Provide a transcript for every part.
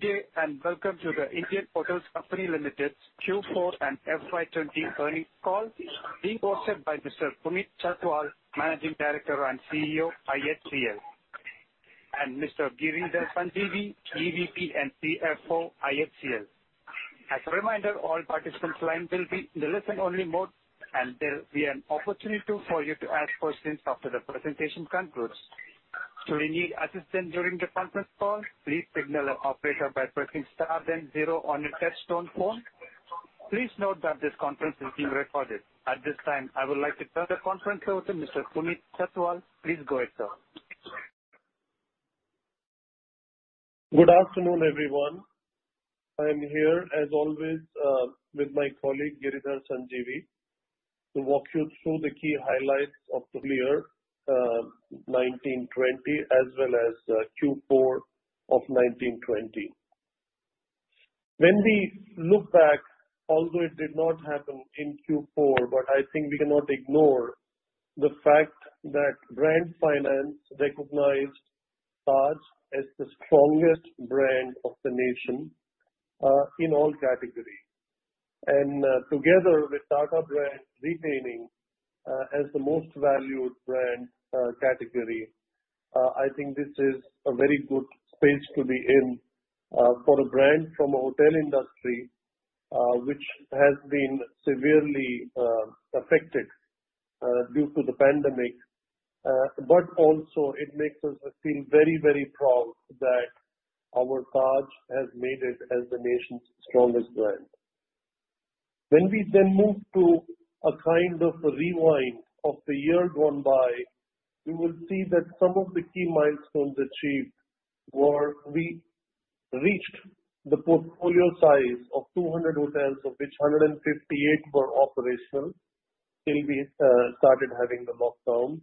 Good day. Welcome to The Indian Hotels Company Limited Q4 and FY 2020 earnings call being hosted by Mr. Puneet Chhatwal, Managing Director and CEO, IHCL, and Mr. Giridhar Sanjeevi, EVP and CFO, IHCL. As a reminder, all participant lines will be in the listen-only mode. There will be an opportunity for you to ask questions after the presentation concludes. Should you need assistance during the conference call, please signal an operator by pressing star then zero on your touch-tone phone. Please note that this conference is being recorded. At this time, I would like to turn the conference over to Mr. Puneet Chhatwal. Please go ahead, sir. Good afternoon, everyone. I'm here as always with my colleague, Giridhar Sanjeevi, to walk you through the key highlights of the year 2019/2020 as well as Q4 of 2019/2020. When we look back, although it did not happen in Q4, I think we cannot ignore the fact that Brand Finance recognized Taj as the strongest brand of the nation in all categories. Together with Tata brand remaining as the most valued brand category, I think this is a very good space to be in for a brand from a hotel industry, which has been severely affected due to the pandemic. Also, it makes us feel very, very proud that our Taj has made it as the nation's strongest brand. When we move to a kind of rewind of the year gone by, we will see that some of the key milestones achieved were we reached the portfolio size of 200 hotels, of which 158 were operational till we started having the lockdown.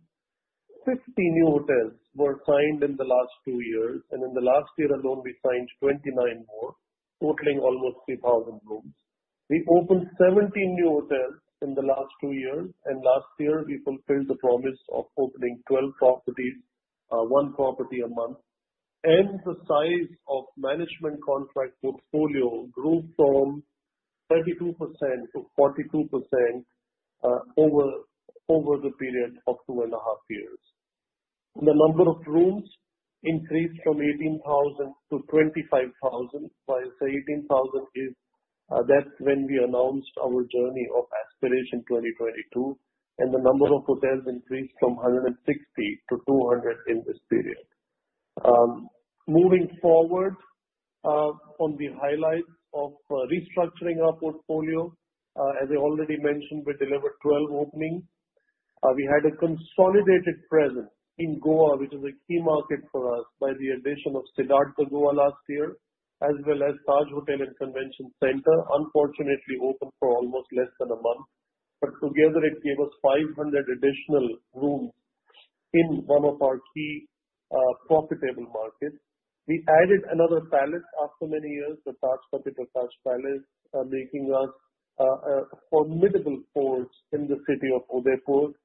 60 new hotels were signed in the last two years. In the last year alone, we signed 29 more, totaling almost 3,000 rooms. We opened 70 new hotels in the last two years, and last year we fulfilled the promise of opening 12 properties, one property a month. The size of management contract portfolio grew from 32% to 42% over the period of two and a half years. The number of rooms increased from 18,000 to 25,000. While 18,000, that's when we announced our journey of Aspiration 2022, the number of hotels increased from 160 to 200 in this period. Moving forward on the highlights of restructuring our portfolio, as I already mentioned, we delivered 12 openings. We had a consolidated presence in Goa, which is a key market for us by the addition of Cidade de Goa last year, as well as Taj Hotel & Convention Centre, unfortunately open for almost less than a month. Together, it gave us 500 additional rooms in one of our key profitable markets. We added another palace after many years, the Taj Fateh Prakash Palace, making us a formidable force in the city of Udaipur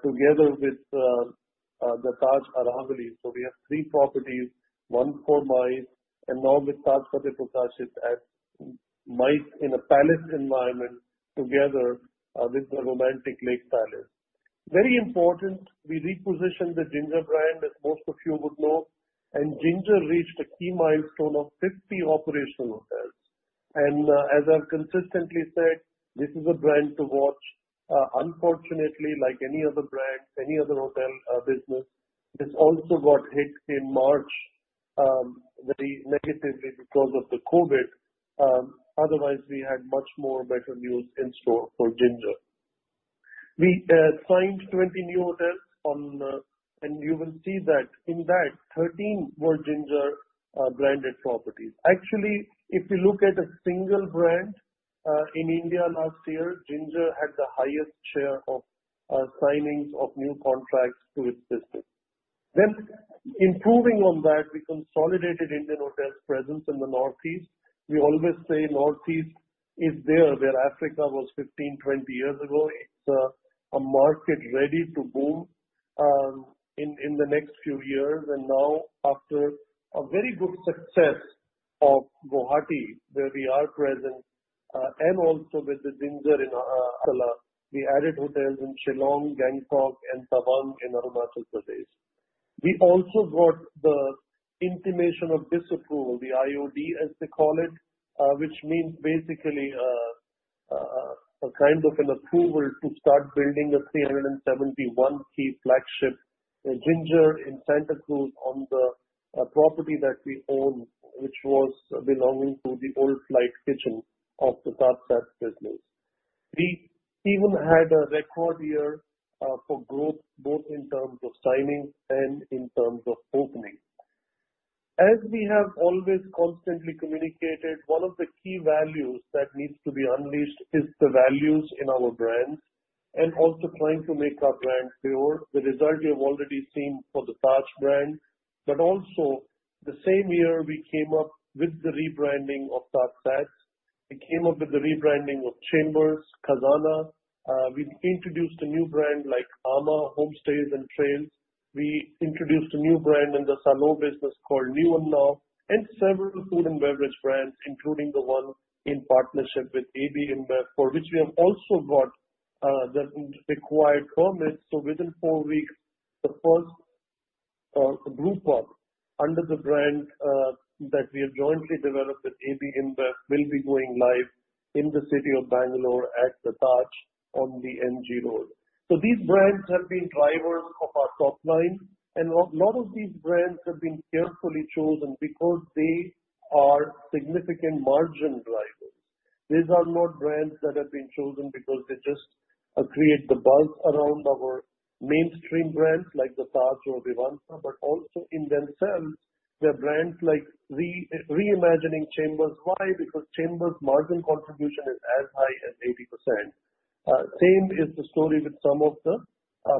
together with the Taj Aravali. We have three properties, one for May, and now with Taj Fateh Prakash Palace it's at might in a palace environment together with the romantic Lake Palace. Very important, we repositioned the Ginger brand, as most of you would know. Ginger reached a key milestone of 50 operational hotels. As I've consistently said, this is a brand to watch. Unfortunately, like any other brand, any other hotel business, this also got hit in March very negatively because of the COVID. Otherwise, we had much more better news in store for Ginger. We signed 20 new hotels, and you will see that in that, 13 were Ginger-branded properties. Actually, if you look at a single brand in India last year, Ginger had the highest share of signings of new contracts to its system. Improving on that, we consolidated Indian Hotels' presence in the Northeast. We always say Northeast is there where Africa was 15, 20 years ago. It's a market ready to boom in the next few years. Now after a very good success of Guwahati, where we are present, and also with the Ginger in Agartala, we added hotels in Shillong, Gangtok, and Tawang in Arunachal Pradesh. We also got the Intimation of Disapproval, the IoD as they call it, which means basically a kind of an approval to start building a 371-key flagship Ginger in Santacruz on the property that we own, which was belonging to the old flight kitchen of the TajSATS business. We even had a record year for growth, both in terms of signing and in terms of opening. We have always constantly communicated, one of the key values that needs to be unleashed is the values in our brands and also trying to make our brands pure. The result you have already seen for the Taj brand. Also the same year we came up with the rebranding of TajSATS. We came up with the rebranding of The Chambers, Khazana. We introduced a new brand like amã Stays & Trails. We introduced a new brand in the salon business called niú & náu, and several food and beverage brands, including the one in partnership with AB InBev, for which we have also got the required permits. Within four weeks, the first brewpub under the brand that we have jointly developed with AB InBev will be going live in the city of Bangalore at the Taj on the MG Road. These brands have been drivers of our top line, and a lot of these brands have been carefully chosen because they are significant margin drivers. These are not brands that have been chosen because they just create the buzz around our mainstream brands like the Taj or Vivanta, but also in themselves, they are brands like reimagining The Chambers. Why? Because The Chambers' margin contribution is as high as 80%. Same is the story with some of the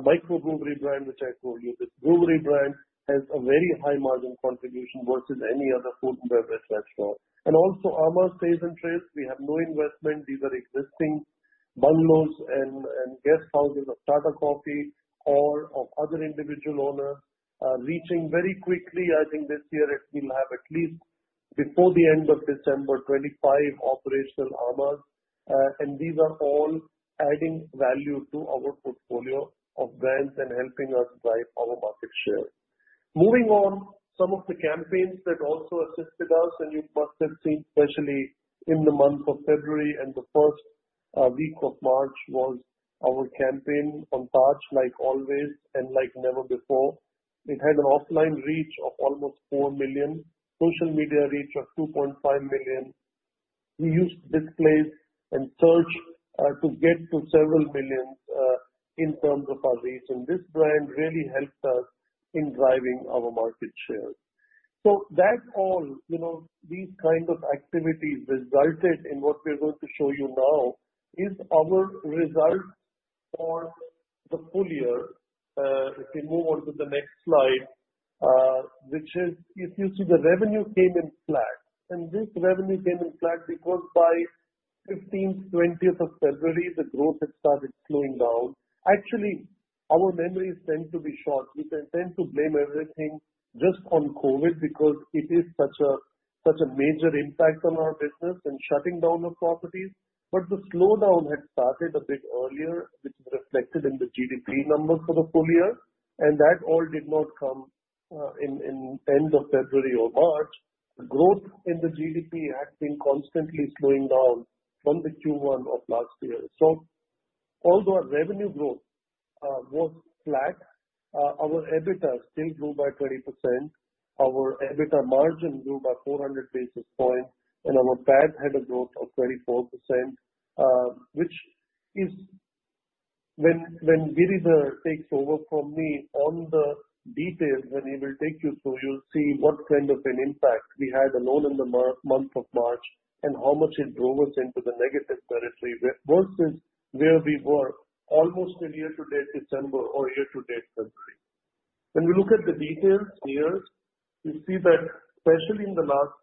microbrewery brand, which I told you. This brewery brand has a very high margin contribution versus any other food and beverage restaurant. Also amã Stays & Trails, we have no investment. These are existing bungalows and guest houses of Tata Coffee or of other individual owner, reaching very quickly. I think this year it will have at least before the end of December, 25 operational amãs. These are all adding value to our portfolio of brands and helping us drive our market share. Moving on, some of the campaigns that also assisted us, and you must have seen, especially in the month of February and the first week of March, was our campaign on Taj, Like Always and Like Never Before. It had an offline reach of almost 4 million, social media reach of 2.5 million. We used displays and search to get to several millions in terms of our reach. This brand really helped us in driving our market share. That all, these kind of activities resulted in what we're going to show you now is our results for the full year. If we move on to the next slide, which is if you see the revenue came in flat, and this revenue came in flat because by 15th, 20th of February, the growth had started slowing down. Actually, our memories tend to be short. We can tend to blame everything just on COVID because it is such a major impact on our business and shutting down of properties. The slowdown had started a bit earlier, which is reflected in the GDP numbers for the full year, and that all did not come in end of February or March. Growth in the GDP had been constantly slowing down from the Q1 of last year. Although our revenue growth was flat, our EBITDA still grew by 20%, our EBITDA margin grew by 400 basis points, and our PAT had a growth of 34%, which is when Giridhar takes over from me on the details, when he will take you through, you'll see what kind of an impact we had alone in the month of March and how much it drove us into the negative territory versus where we were almost in year-to-date December or year-to-date February. When we look at the details here, you see that especially in the last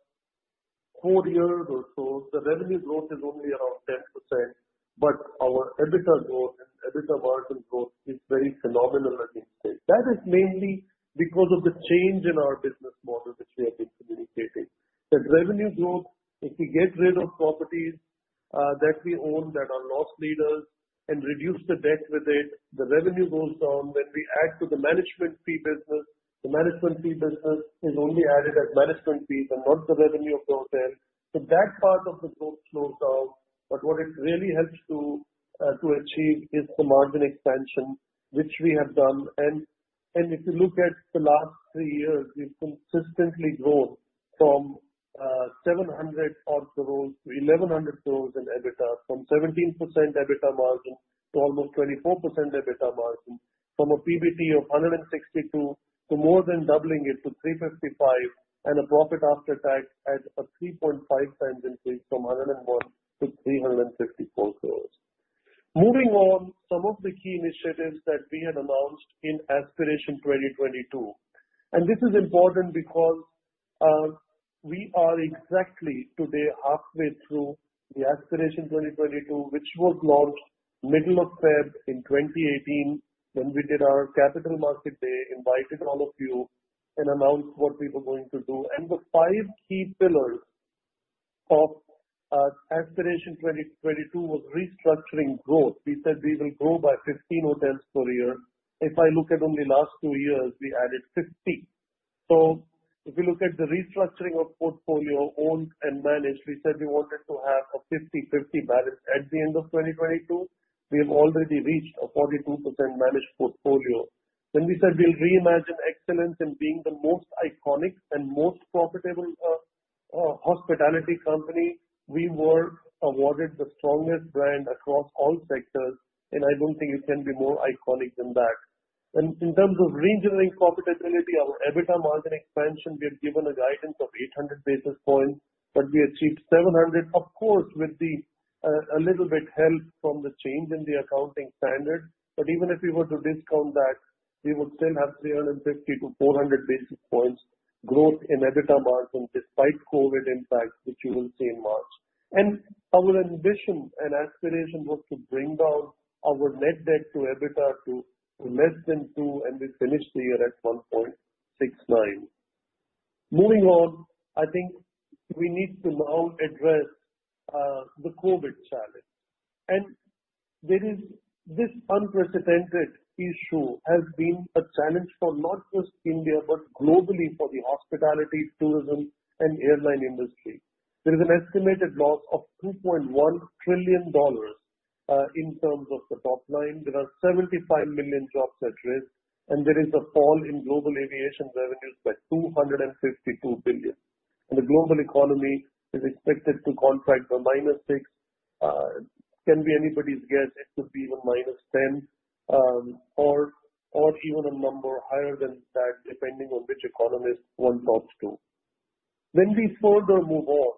four years or so, the revenue growth is only around 10%, but our EBITDA growth and EBITDA margin growth is very phenomenal, I think. That is mainly because of the change in our business model, which we have been communicating. The revenue growth, if we get rid of properties that we own that are loss leaders and reduce the debt with it, the revenue goes down. When we add to the management fee business, the management fee business is only added as management fees and not the revenue of those 10. That part of the growth slows down. What it really helps to achieve is the margin expansion, which we have done. If you look at the last three years, we've consistently grown from 700 odd crores to 1,100 crores in EBITDA, from 17% EBITDA margin to almost 24% EBITDA margin, from a PBT of 162 to more than doubling it to 355, and a profit after tax at a 3.5 times increase from 101 to 354 crores. Moving on, some of the key initiatives that we had announced in Aspiration 2022. This is important because we are exactly today halfway through the Aspiration 2022, which was launched middle of February 2018 when we did our capital market day, invited all of you and announced what we were going to do. The five key pillars of Aspiration 2022 was restructuring growth. We said we will grow by 15 hotels per year. If I look at only last 2 years, we added 50. If you look at the restructuring of portfolio owned and managed, we said we wanted to have a 50/50 balance at the end of 2022. We have already reached a 42% managed portfolio. When we said we'll reimagine excellence in being the most iconic and most profitable hospitality company, we were awarded the strongest brand across all sectors, and I don't think you can be more iconic than that. In terms of reengineering profitability, our EBITDA margin expansion, we have given a guidance of 800 basis points, but we achieved 700, of course, with a little bit help from the change in the accounting standard. But even if we were to discount that, we would still have 350 to 400 basis points Growth in EBITDA margin despite COVID impact, which you will see in March. Our ambition and aspiration was to bring down our net debt to EBITDA to less than two, and we finished the year at 1.69. Moving on, I think we need to now address the COVID challenge. This unprecedented issue has been a challenge for not just India but globally for the hospitality, tourism, and airline industry. There is an estimated loss of $2.1 trillion in terms of the top line. There are 75 million jobs at risk, there is a fall in global aviation revenues by $252 billion. The global economy is expected to contract by -6. Can be anybody's guess. It could be even -10 or even a number higher than that, depending on which economist one talks to. When we further move on,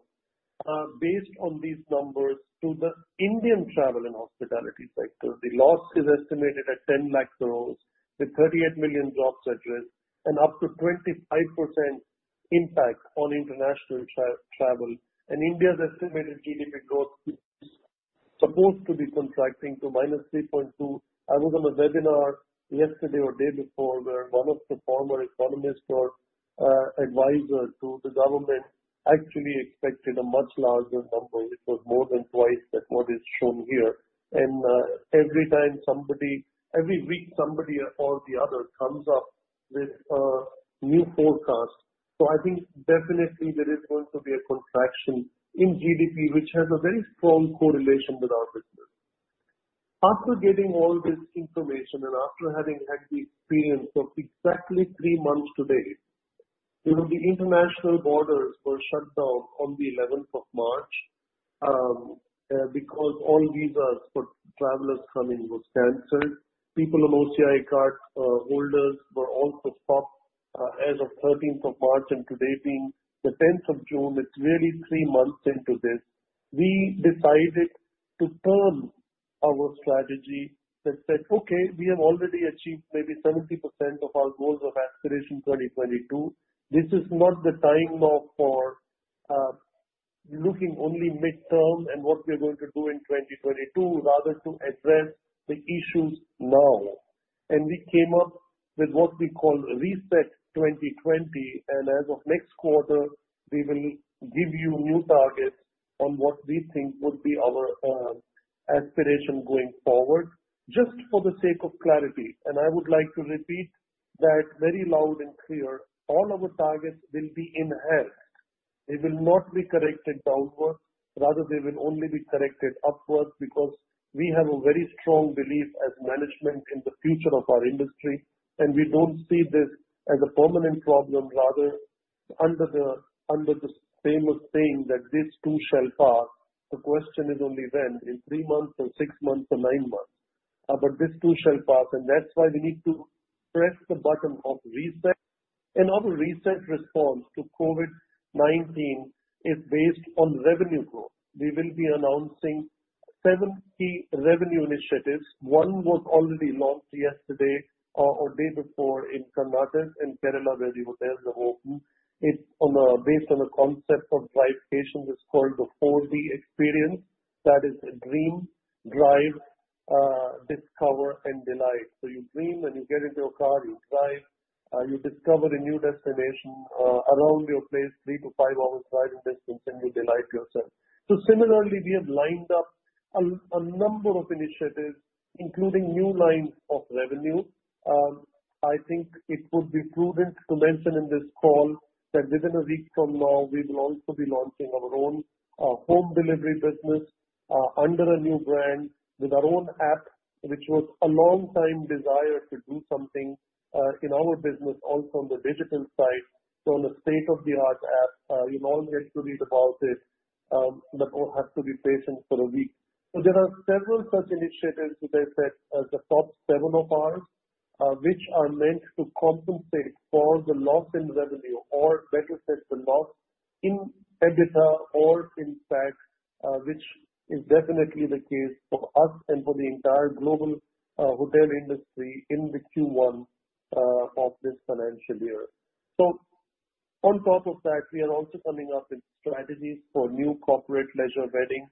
based on these numbers to the Indian travel and hospitality sector, the loss is estimated at 10 lakh crores with 38 million jobs at risk and up to 25% impact on international travel. India's estimated GDP growth is supposed to be contracting to -3.2. I was on a webinar yesterday or day before where one of the former economists or advisor to the government actually expected a much larger number, which was more than twice that what is shown here. Every week somebody or the other comes up with a new forecast. I think definitely there is going to be a contraction in GDP, which has a very strong correlation with our business. After getting all this information and after having had the experience of exactly three months today, the international borders were shut down on the 11th of March because all visas for travelers coming were canceled. People on OCI card holders were also stopped as of the 13th of March and today being the 10th of June, it's really three months into this. We decided to turn our strategy that said, "Okay, we have already achieved maybe 70% of our goals of Aspiration 2022. This is not the time for looking only midterm and what we're going to do in 2022, rather to address the issues now." We came up with what we call R.E.S.E.T. 2020, and as of next quarter, we will give you new targets on what we think would be our aspiration going forward. Just for the sake of clarity, I would like to repeat that very loud and clear, all our targets will be enhanced. They will not be corrected downwards. Rather, they will only be corrected upwards because we have a very strong belief as management in the future of our industry, and we don't see this as a permanent problem. Rather, under the famous saying that this too shall pass, the question is only when, in three months or six months or nine months. This too shall pass, and that's why we need to press the button of R.E.S.E.T. Our R.E.S.E.T. response to COVID-19 is based on revenue growth. We will be announcing seven key revenue initiatives. One was already launched yesterday or day before in Karnataka and Kerala where the hotels are open. It's based on a concept of drive-cation. It's called the 4D experience. That is dream, drive, discover, and delight. You dream, then you get into a car, you drive, you discover a new destination around your place, three to five hours driving distance, and you delight yourself. Similarly, we have lined up a number of initiatives, including new lines of revenue. I think it would be prudent to mention in this call that within a week from now, we will also be launching our own home delivery business under a new brand with our own app, which was a long time desire to do something in our business also on the digital side. On a state-of-the-art app. You'll all get to read about it, but all have to be patient for a week. There are several such initiatives to the effect of the top seven of ours, which are meant to compensate for the loss in revenue or better said, the loss in EBITDA or in PAT, which is definitely the case for us and for the entire global hotel industry in the Q1 of this financial year. On top of that, we are also coming up with strategies for new corporate leisure wedding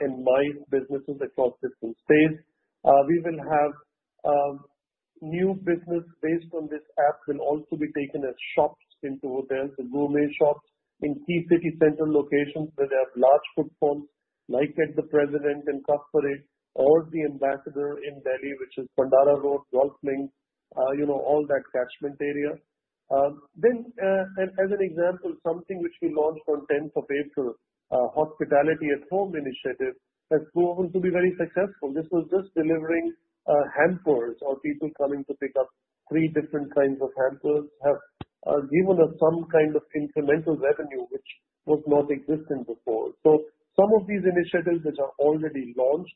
and MICE businesses across different states. We will have new business based on this app will also be taken as shops into hotels and gourmet shops in key city center locations where they have large footfalls like at The President in Cuffe Parade or The Ambassador in Delhi, which is Pandara Road, Golf Links, all that catchment area. As an example, something which we launched on 10th of April, Hospitality at Home initiative, has proven to be very successful. This was just delivering hampers or people coming to pick up three different kinds of hampers have given us some kind of incremental revenue, which was not existing before. Some of these initiatives which are already launched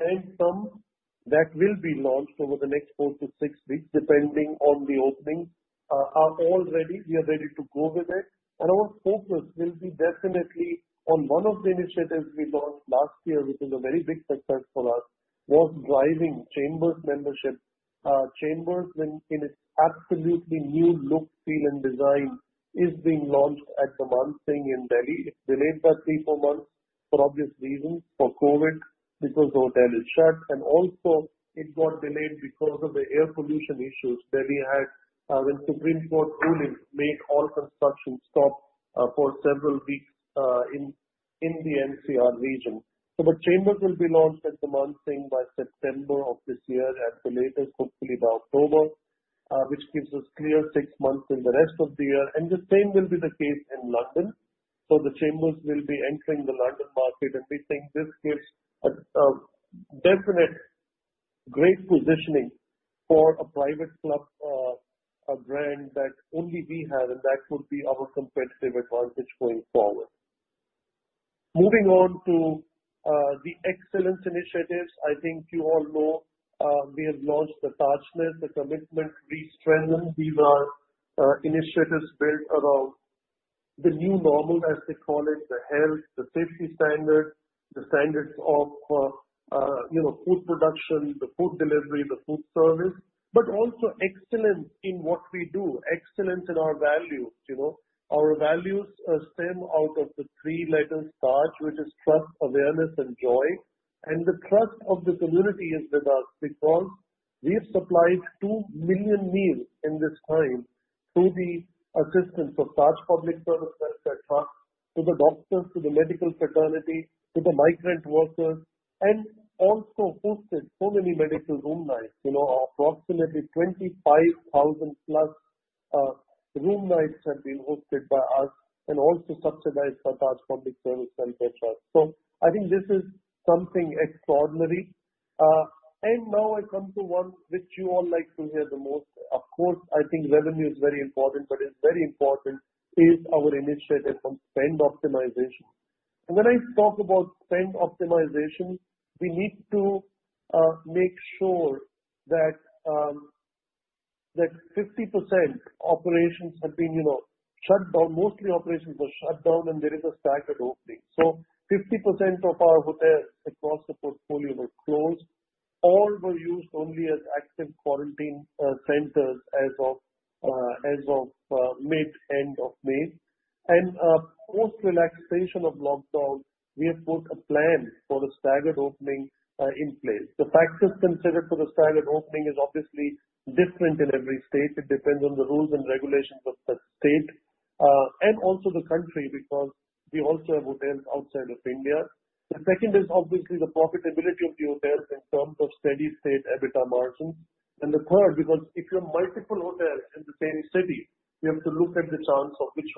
and some that will be launched over the next 4 to 6 weeks, depending on the opening, are all ready. We are ready to go with it. Our focus will be definitely on one of the initiatives we launched last year, which is a very big success for us, was driving Chambers membership. The Chambers in its absolutely new look, feel, and design is being launched at the Mansingh in Delhi. It is delayed by 3, 4 months for obvious reasons, for COVID, because the hotel is shut, and also it got delayed because of the air pollution issues Delhi had when Supreme Court of India ruling made all construction stop for several weeks in the NCR region. The Chambers will be launched at the Mansingh by September of this year at the latest, hopefully by October, which gives us clear 6 months in the rest of the year. The same will be the case in London. The Chambers will be entering the London market, and we think this gives a definite great positioning for a private club brand that only we have, and that will be our competitive advantage going forward. Moving on to the excellence initiatives. I think you all know we have launched the Tajness – A Commitment ReStrengthened. These are initiatives built around the new normal, as they call it, the health, the safety standard, the standards of food production, the food delivery, the food service, but also excellence in what we do, excellence in our values. Our values stem out of the three-letter TAJ, which is trust, awareness, and joy. The trust of the community is with us because we have supplied 2 million meals in this time through the assistance of Taj Public Service Welfare Trust, to the doctors, to the medical fraternity, to the migrant workers, and also hosted so many medical room nights. Approximately 25,000+ room nights have been hosted by us and also subsidized by Taj Public Service Welfare Trust. I think this is something extraordinary. Now I come to one which you all like to hear the most. Of course, I think revenue is very important, but it is very important is our initiative on spend optimization. When I talk about spend optimization, we need to make sure that 50% operations have been shut down. Mostly operations were shut down, and there is a staggered opening. 50% of our hotels across the portfolio were closed. All were used only as active quarantine centers as of mid- to end of May. Post relaxation of lockdown, we have put a plan for the staggered opening in place. The factors considered for the staggered opening is obviously different in every state. It depends on the rules and regulations of the state, and also the country, because we also have hotels outside of India. The second is obviously the profitability of the hotels in terms of steady state EBITDA margins. The third, because if you have multiple hotels in the same city, we have to look at the chance of which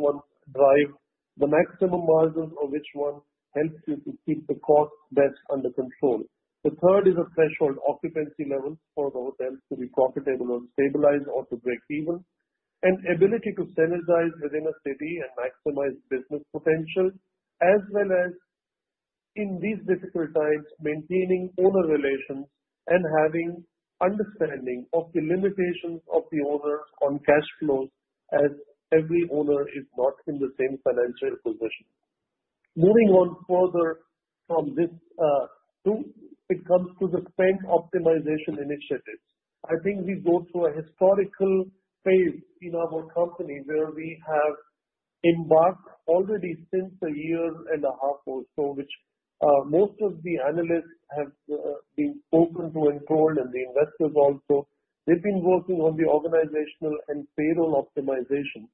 one drive the maximum margins or which one helps you to keep the cost best under control. The third is a threshold occupancy level for hotels to be profitable or stabilize or to break even, and ability to synergize within a city and maximize business potential, as well as in these difficult times, maintaining owner relations and having understanding of the limitations of the owners on cash flows, as every owner is not in the same financial position. Moving on further from this too, it comes to the spend optimization initiatives. I think we go through a historical phase in our company where we have embarked already since a year and a half or so, which most of the analysts have been open to and told, and the investors also. We've been working on the organizational and payroll optimization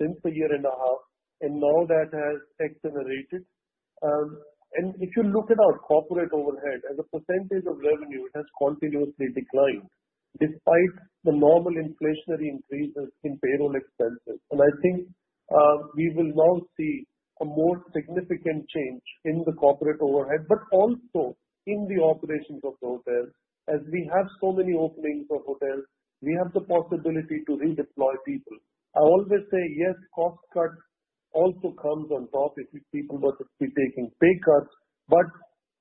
since a year and a half, and now that has accelerated. If you look at our corporate overhead as a percentage of revenue, it has continuously declined despite the normal inflationary increases in payroll expenses. I think we will now see a more significant change in the corporate overhead, but also in the operations of the hotels. As we have so many openings of hotels, we have the possibility to redeploy people. I always say yes, cost cut also comes on top if people were to be taking pay cuts, but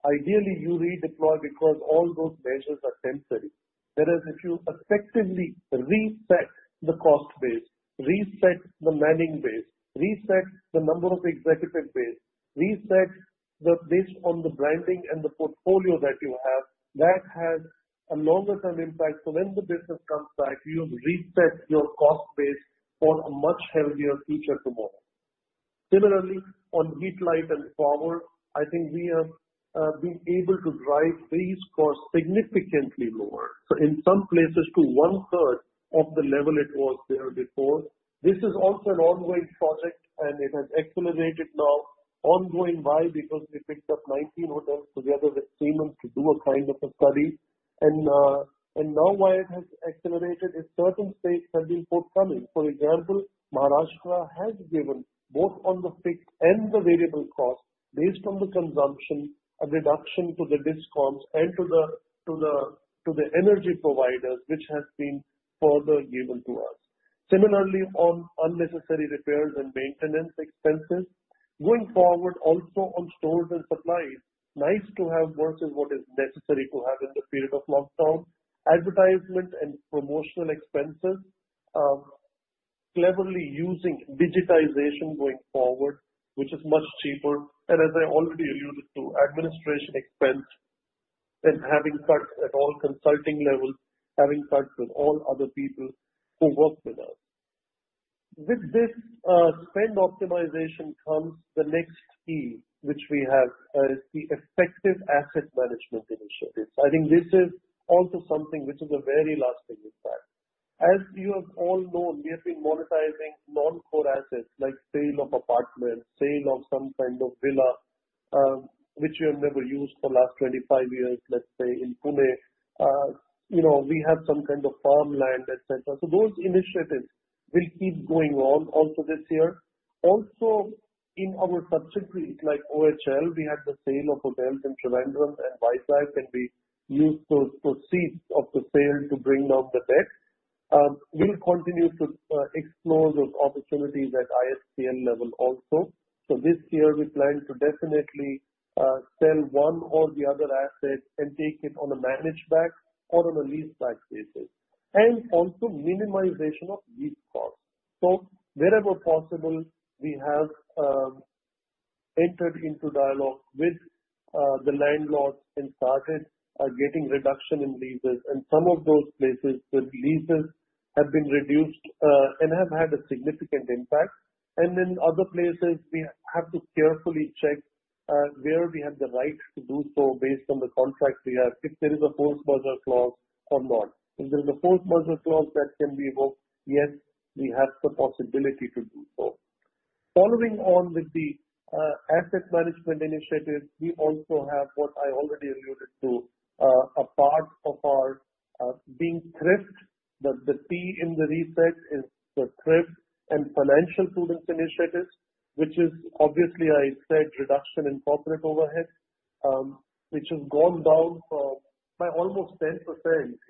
ideally you redeploy because all those measures are temporary. Whereas if you effectively reset the cost base, reset the manning base, reset the number of executive base, reset based on the branding and the portfolio that you have, that has a longer-term impact. When the business comes back, you have reset your cost base for a much healthier future tomorrow. Similarly, on heat, light, and power, I think we have been able to drive these costs significantly lower. In some places to one-third of the level it was there before. This is also an ongoing project, and it has accelerated now ongoing. Why? Because we picked up 19 hotels together with Siemens to do a kind of a study. Now why it has accelerated is certain states have been forthcoming. For example, Maharashtra has given both on the fixed and the variable cost based on the consumption, a reduction to the discounts and to the energy providers, which has been further given to us. Similarly on unnecessary repairs and maintenance expenses. Going forward, also on stores and supplies, nice to have versus what is necessary to have in the period of lockdown. Advertisement and promotional expenses, Cleverly using digitization going forward, which is much cheaper, and as I already alluded to, administration expense and having cuts at all consulting levels, having cuts with all other people who work with us. With this spend optimization comes the next key, which we have as the effective asset management initiatives. I think this is also something which is a very lasting impact. As you have all known, we have been monetizing non-core assets like sale of apartments, sale of some kind of villa which we have never used for last 25 years, let's say in Pune. We have some kind of farmland, et cetera. Those initiatives will keep going on also this year. Also in our subsidiaries like OHL, we had the sale of hotels in Trivandrum and Vizag, and we used those proceeds of the sale to bring down the debt. We'll continue to explore those opportunities at IHCL level also. This year we plan to definitely sell one or the other asset and take it on a manage back or on a lease back basis, and also minimization of lease cost. Wherever possible, we have entered into dialogue with the landlords and started getting reduction in leases. In some of those places, the leases have been reduced and have had a significant impact. In other places, we have to carefully check where we have the rights to do so based on the contracts we have, if there is a force majeure clause or not. If there is a force majeure clause that can be invoked, yes, we have the possibility to do so. Following on with the asset management initiative, we also have what I already alluded to, a part of our being thrift. The T in the R.E.S.E.T. 2020 is for thrift and financial prudence initiatives, which is obviously, I said reduction in corporate overhead, which has gone down by almost 10%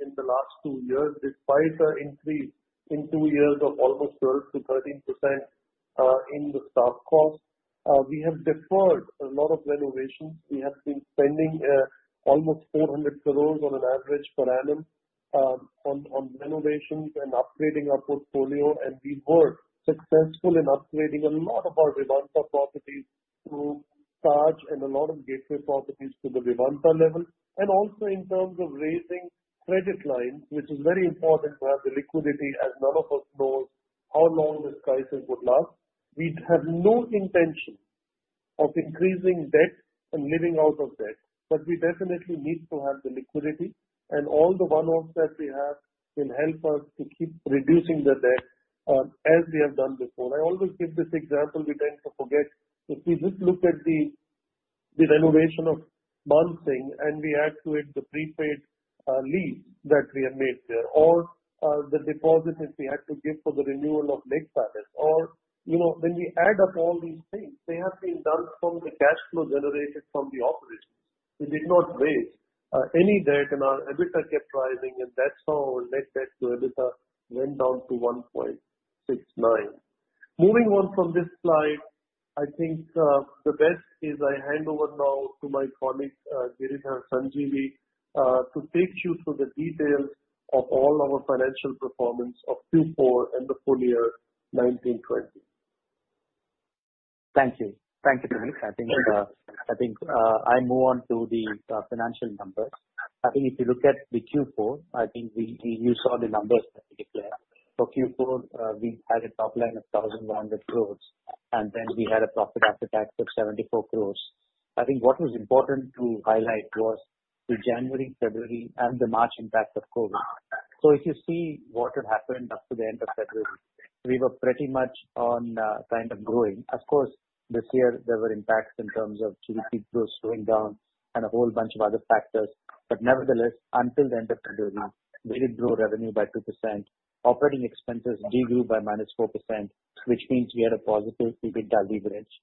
in the last two years, despite an increase in two years of almost 12%-13% in the staff cost. We have deferred a lot of renovations. We have been spending almost 400 crores on an average per annum on renovations and upgrading our portfolio. We were successful in upgrading a lot of our Vivanta properties to Taj and a lot of Gateway properties to the Vivanta level. Also in terms of raising credit lines, which is very important to have the liquidity, as none of us knows how long this crisis would last. We have no intention of increasing debt and living out of debt, but we definitely need to have the liquidity and all the one-offs that we have will help us to keep reducing the debt as we have done before. I always give this example we tend to forget. If we just look at the renovation of Mansingh and we actuate the prepaid lease that we had made there, or the deposits that we had to give for the renewal of Lake Palace, or when we add up all these things, they have been done from the cash flow generated from the operations. We did not raise any debt and our EBITDA kept rising and that's how our net debt to EBITDA went down to 1.69. Moving on from this slide, I think the best is I hand over now to my colleague, Giridhar Sanjeevi, to take you through the details of all our financial performance of Q4 and the full year 2019/2020. Thank you. Thank you, Puneet. I move on to the financial numbers. If you look at the Q4, you saw the numbers that we declared. For Q4, we had a top line of 1,100 crores, and we had a profit after tax of 74 crores. What was important to highlight was the January, February, and the March impact of COVID. If you see what had happened up to the end of February, we were pretty much on kind of growing. Of course, this year there were impacts in terms of GDP growth slowing down and a whole bunch of other factors. Nevertheless, until the end of February, we did grow revenue by 2%, operating expenses grew by -4%, which means we had a positive EBIT leverage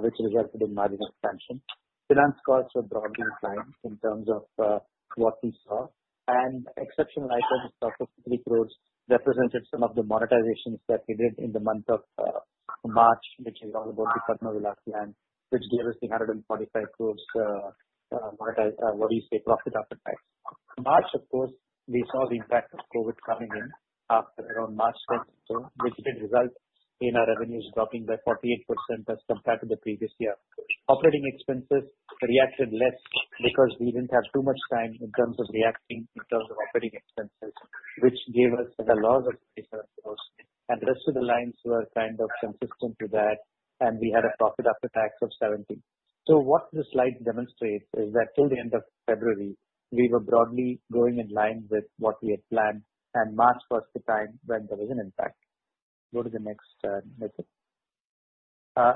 which resulted in margin expansion. Finance costs were broadly in line in terms of what we saw, exceptional items of 53 crores represented some of the monetizations that we did in the month of March, which is all about the Fatehpur Villa land, which gave us the 145 crores profit after tax. March, of course, we saw the impact of COVID coming in after around March 16th, which did result in our revenues dropping by 48% as compared to the previous year. Operating expenses reacted less because we didn't have too much time in terms of reacting in terms of operating expenses, which gave us a loss of INR 37 crores, and rest of the lines were kind of consistent to that, and we had a profit after tax of 70 crores. What this slide demonstrates is that till the end of February, we were broadly going in line with what we had planned, and March was the time when there was an impact. Go to the next slide.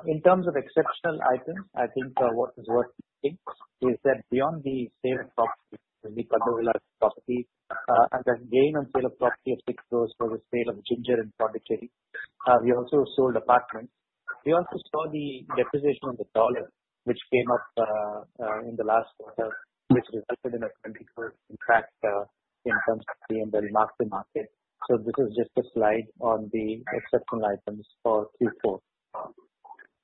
In terms of exceptional items, what is worth seeing is that beyond the sale of property, the Fatehpur Villa property, and the gain on sale of property of 6 crores for the sale of Ginger in Pondicherry. We also sold apartments. We also saw the depreciation of the dollar, which came up in the last quarter, which resulted in an 20 crore impact in terms of the mark to market. This is just a slide on the exceptional items for Q4.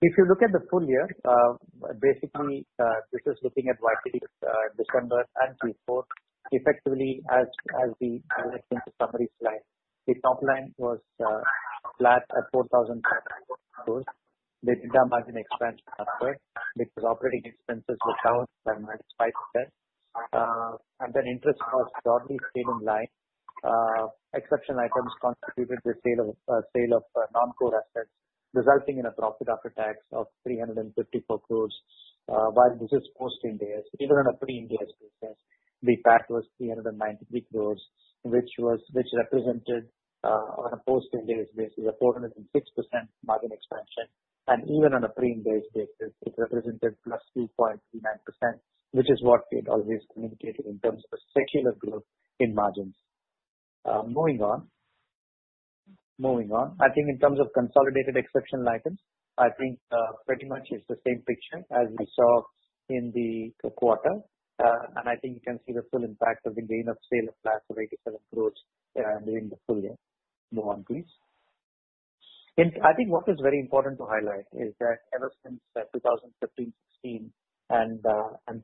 If you look at the full year, basically, this is looking at YTD December and Q4, effectively, as we went into summary slide, the top line was flat at 4,000 crores. The EBITDA margin expansion suffered because operating expenses were down by -5%. Interest costs broadly stayed in line. Exceptional items constituted the sale of non-core assets, resulting in a profit after tax of 354 crores. While this is post-Ind AS, even on a pre-Ind AS basis, the PAT was 393 crores, which represented, on a post-Ind AS basis, a 406% margin expansion. Even on a pre-Ind AS basis, it represented +3.39%, which is what we had always communicated in terms of a secular growth in margins. Moving on. In terms of consolidated exceptional items, pretty much it's the same picture as we saw in the quarter. I think you can see the full impact of the gain of sale of flats of 87 crores during the full year. Move on, please. I think what is very important to highlight is that ever since 2015/16 and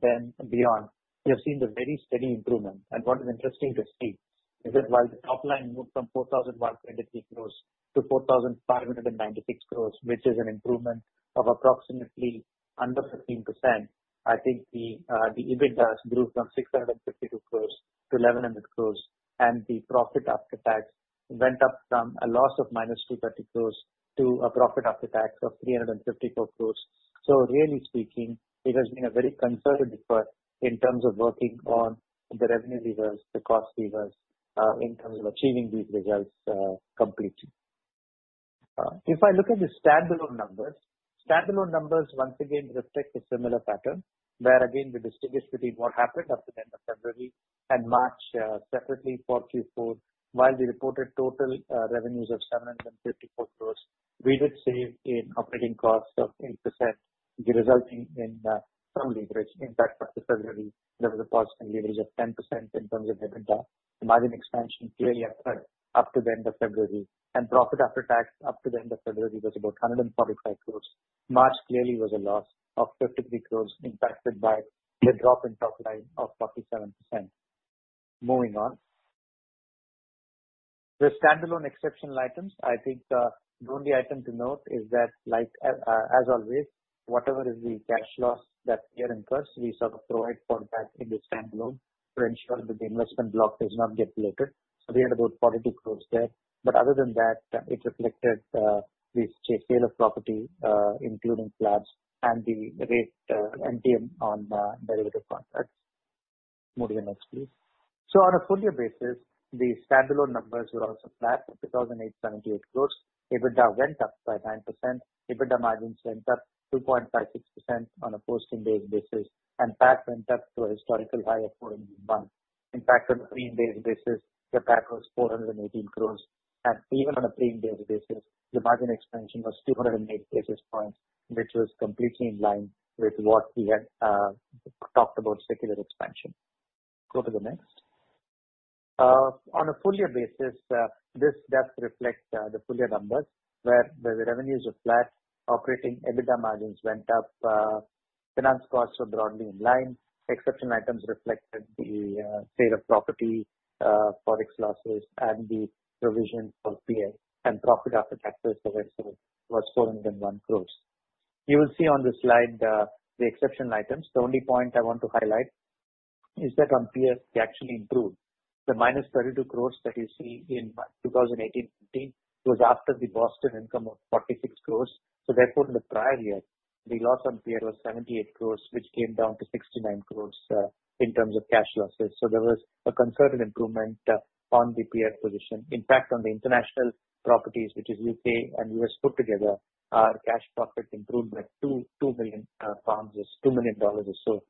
then beyond, we have seen the very steady improvement. What is interesting to see is that while the top line moved from 4,123 crores to 4,596 crores, which is an improvement of approximately under 15%, I think the EBITDA grew from 652 crores to 1,100 crores, and the profit after tax went up from a loss of -230 crores to a profit after tax of 354 crores. Really speaking, it has been a very concerted effort in terms of working on the revenue levers, the cost levers, in terms of achieving these results completely. If I look at the standalone numbers. Standalone numbers once again reflect a similar pattern, where again, we distinguish between what happened after the end of February and March separately for Q4. While we reported total revenues of 754 crores, we did see an operating cost of 8%, resulting in some leverage impact after February. There was a positive leverage of 10% in terms of EBITDA. The margin expansion clearly occurred up to the end of February, and profit after tax up to the end of February was about 145 crores. March clearly was a loss of 53 crores impacted by the drop in top line of 47%. Moving on. The standalone exceptional items, I think the only item to note is that as always, whatever is the cash loss that year incurs, we sort of provide for that in the standalone to ensure that the investment block does not get diluted. We had about 42 crores there. Other than that, it reflected the sale of property, including flats and the rate MTM on derivative contracts. Moving on, please. On a full year basis, the standalone numbers were also flat at 2,878 crores. EBITDA went up by 9%. EBITDA margins went up 2.56% on a post-Ind AS basis, and PAT went up to a historical high of 401. In fact, on a pre-Ind AS basis, the PAT was 418 crores. Even on a pre-Ind AS basis, the margin expansion was 208 basis points, which was completely in line with what we had talked about secular expansion. Go to the next. On a full year basis, this does reflect the full year numbers where the revenues are flat, operating EBITDA margins went up, finance costs were broadly in line, exceptional items reflected the sale of property, Forex losses and the provision for PIF and profit after tax was 401 crores. You will see on the slide the exceptional items. The only point I want to highlight is that on PIF we actually improved. The -32 crores that you see in 2018/19 was after the Boston income of 46 crores. Therefore in the prior year, the loss on PIF was 78 crores, which came down to 69 crores, in terms of cash losses. There was a concerted improvement on the PIF position. In fact, on the international properties, which is U.K. and U.S. put together, our cash profit improved by $2 million or so.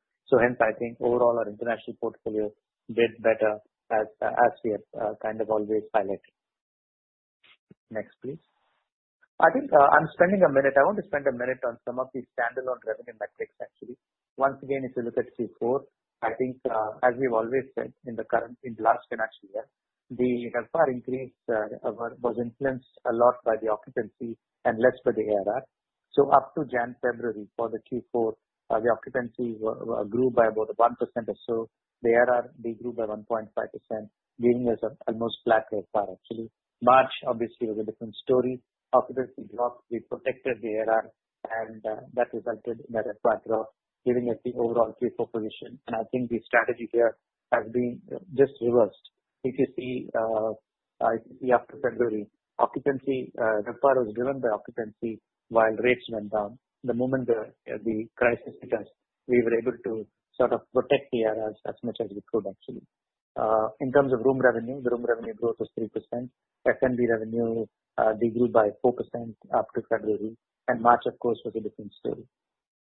Hence, I think overall our international portfolio did better as we have kind of always highlighted. Next, please. I want to spend a minute on some of these standalone revenue metrics actually. Once again, if you look at Q4, I think as we've always said in the last financial year, the RevPAR increase was influenced a lot by the occupancy and less by the ARR. Up to January, February for the Q4, the occupancies grew by about 1% or so. The ARR, they grew by 1.5%, giving us an almost flat RevPAR actually. March obviously was a different story. Occupancy dropped. We protected the ARR and that resulted in a RevPAR drop giving us the overall Q4 position and I think the strategy here has been just reversed. If you see after February, RevPAR was driven by occupancy while rates went down. The moment the crisis hit us, we were able to sort of protect the ARRs as much as we could actually. In terms of room revenue, the room revenue growth was 3%. F&B revenue, they grew by 4% after February, and March, of course, was a different story.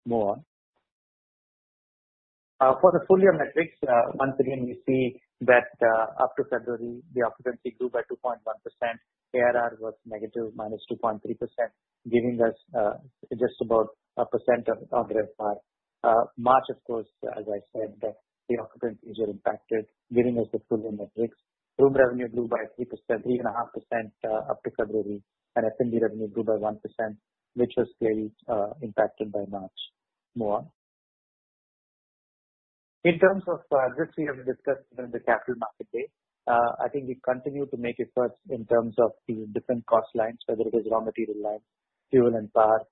Move on. For the full year metrics, once again, we see that after February the occupancy grew by 2.1%. ARR was -2.3%, giving us just about a percent of the RevPAR. March, of course, as I said, the occupancies are impacted giving us the full year metrics. Room revenue grew by 3.5% up to February and F&B revenue grew by 1%, which was clearly impacted by March. Move on. In terms of this, we have discussed in the capital market day. I think we continue to make efforts in terms of the different cost lines, whether it is raw material lines, fuel and power.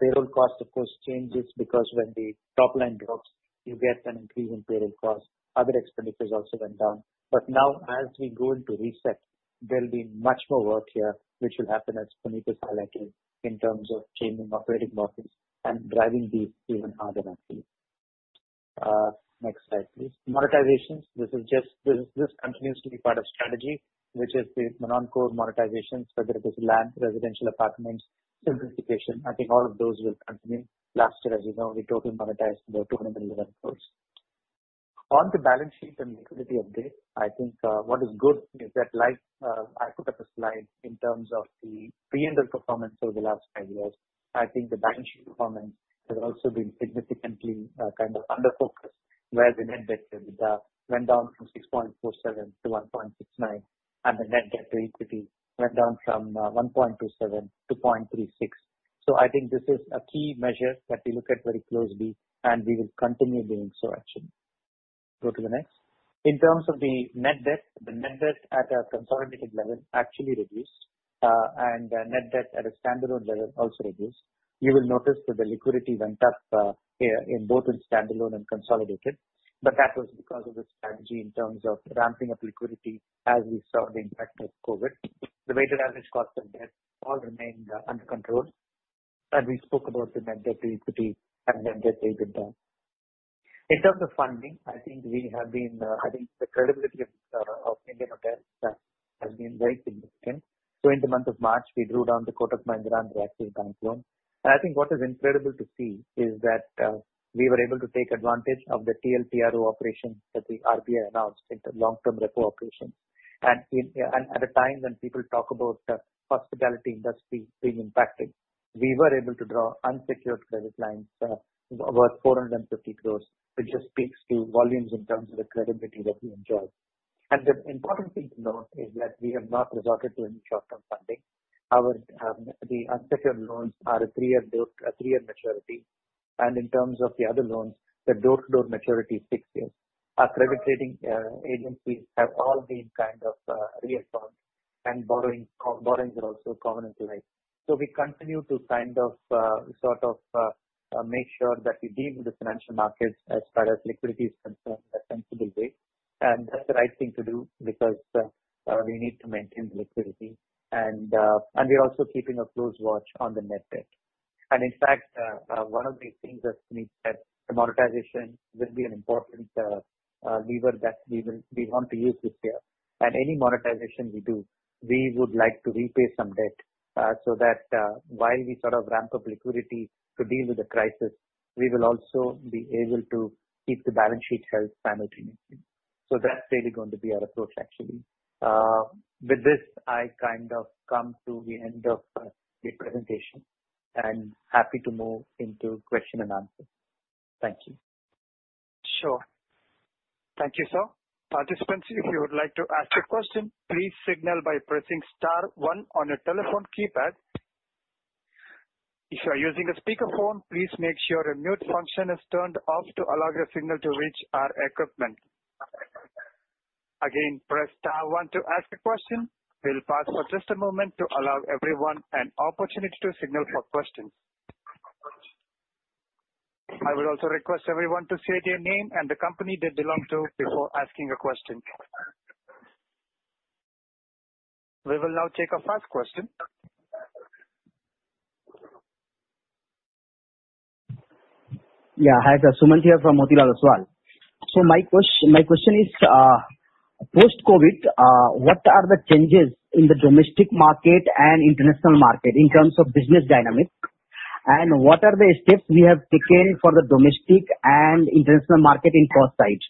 Payroll cost, of course, changes because when the top line grows, you get an increase in payroll cost. Other expenditures also went down. Now as we go into reset, there will be much more work here, which will happen as Puneet has highlighted in terms of changing operating models and driving these even harder actually. Next slide, please. Monetizations. This continues to be part of strategy, which is the non-core monetization, whether it is land, residential apartments, simplification. I think all of those will continue. Last year, as you know, we totally monetized about 211 crore. On the balance sheet and liquidity update, I think what is good is that I put up a slide in terms of the pre-COVID performance over the last five years. I think the balance sheet performance has also been significantly kind of under focused, where the net debt went down from 6.47 to 1.69, and the net debt to equity went down from 1.27 to 0.36. I think this is a key measure that we look at very closely and we will continue doing so actually. Go to the next. In terms of the net debt, the net debt at a consolidated level actually reduced and net debt at a standalone level also reduced. You will notice that the liquidity went up here in both in standalone and consolidated, but that was because of the strategy in terms of ramping up liquidity as we saw the impact of COVID. The weighted average cost of debt all remained under control. We spoke about the net debt to equity and net debt. In terms of funding, I think the credibility of Indian Hotels has been very significant. In the month of March, we drew down the Kotak Mahindra and Axis Bank loan. I think what is incredible to see is that we were able to take advantage of the TLTRO operation that the RBI announced, the long-term repo operation. At a time when people talk about the hospitality industry being impacted, we were able to draw unsecured credit lines worth 450 crores, which just speaks to volumes in terms of the credibility that we enjoy. The important thing to note is that we have not resorted to any short-term funding. The unsecured loans are a three-year maturity, and in terms of the other loans, the door-to-door maturity is six years. Our credit rating agencies have all been kind of reassured and borrowings are also covenant light. We continue to sort of make sure that we deal with the financial markets as far as liquidity is concerned in a sensible way. That's the right thing to do because we need to maintain the liquidity. We are also keeping a close watch on the net debt. In fact, one of the things that Puneet said, the monetization will be an important lever that we want to use this year. Any monetization we do, we would like to repay some debt so that while we sort of ramp up liquidity to deal with the crisis, we will also be able to keep the balance sheet health simultaneously. That's really going to be our approach, actually. With this, I kind of come to the end of the presentation and happy to move into question and answer. Thank you. Sure. Thank you, sir. Participants, if you would like to ask a question, please signal by pressing star one on your telephone keypad. If you are using a speakerphone, please make sure the mute function is turned off to allow your signal to reach our equipment. Again, press star one to ask a question. We will pause for just a moment to allow everyone an opportunity to signal for questions. I would also request everyone to state your name and the company they belong to before asking a question. We will now take our first question. My question is post-COVID, what are the changes in the domestic market and international market in terms of business dynamics? What are the steps we have taken for the domestic and international market in cost side?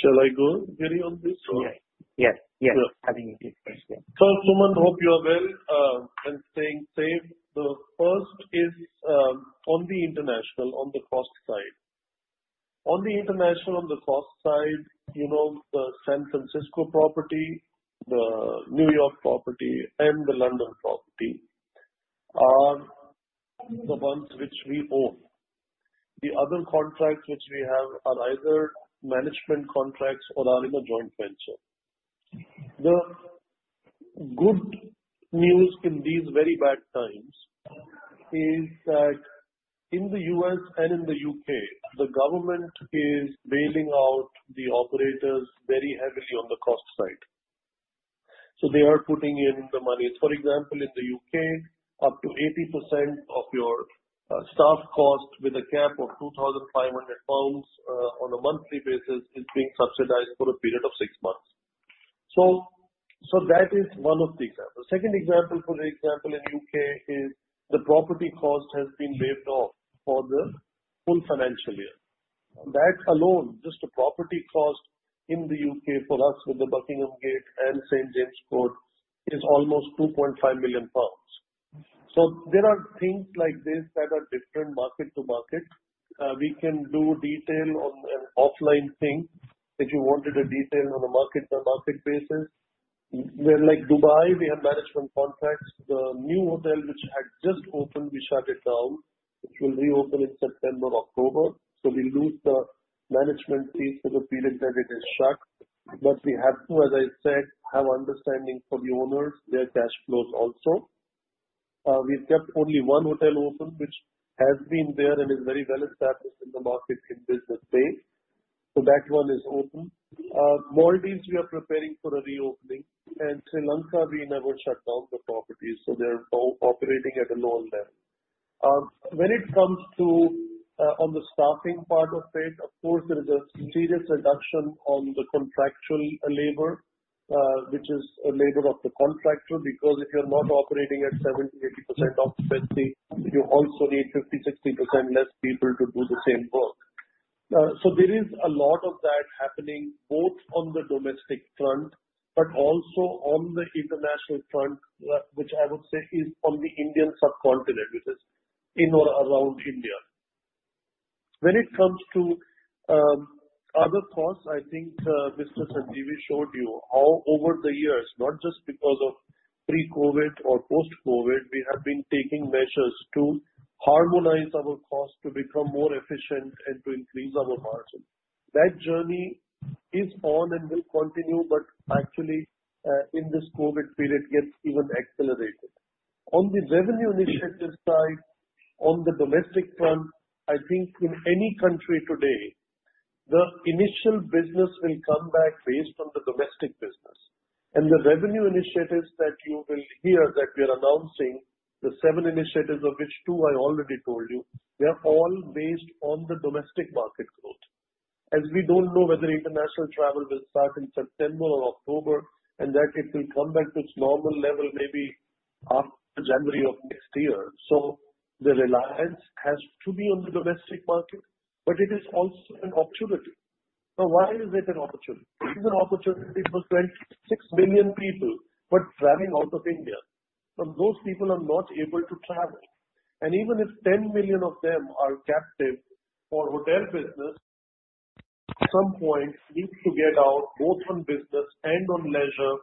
Shall I go, Giri, on this or? Yes. Sure. Having you take first, yeah. Sumanth, hope you are well and staying safe. The first is on the international, on the cost side. On the international, on the cost side, the San Francisco property, the New York property, and the London property are the ones which we own. The other contracts which we have are either management contracts or are in a joint venture. The good news in these very bad times is that in the U.S. and in the U.K., the government is bailing out the operators very heavily on the cost side. They are putting in the money. For example, in the U.K., up to 80% of your staff cost with a cap of 2,500 pounds on a monthly basis is being subsidized for a period of six months. That is one of the examples. Second example, in U.K. is the property cost has been waived off for the full financial year. That alone, just the property cost in the U.K. for us with the Buckingham Gate and St. James' Court is almost 2.5 million pounds. There are things like this that are different market to market. We can do detail on an offline thing if you wanted a detail on a market-to-market basis. Where like Dubai, we have management contracts. The new hotel, which had just opened, we shut it down, which will reopen in September, October. We'll lose the management fee for the period that it is shut. We have to, as I said, have understanding from the owners, their cash flows also. We've kept only one hotel open, which has been there and is very well established in the market in Business Bay. That one is open. Maldives, we are preparing for a reopening. Sri Lanka, we never shut down the properties, so they are now operating at a lower level. When it comes to on the staffing part of it, of course, there is a serious reduction on the contractual labor, which is labor of the contractor, because if you're not operating at 70%, 80% occupancy, you also need 50%, 60% less people to do the same work. There is a lot of that happening, both on the domestic front, but also on the international front, which I would say is on the Indian subcontinent, which is in or around India. When it comes to other costs, I think Mr. Sanjeevi showed you how over the years, not just because of pre-COVID or post-COVID, we have been taking measures to harmonize our cost to become more efficient and to increase our margin. That journey is on and will continue, but actually in this COVID period, gets even accelerated. On the revenue initiatives side, on the domestic front, I think in any country today, the initial business will come back based on the domestic business. The revenue initiatives that you will hear that we are announcing, the seven initiatives of which two I already told you, they are all based on the domestic market growth. As we don't know whether international travel will start in September or October and that it will come back to its normal level maybe after January of next year. The reliance has to be on the domestic market, but it is also an opportunity. Why is it an opportunity? It is an opportunity for 26 million people who are traveling out of India. Those people are not able to travel. Even if 10 million of them are captive for hotel business, at some point need to get out both on business and on leisure,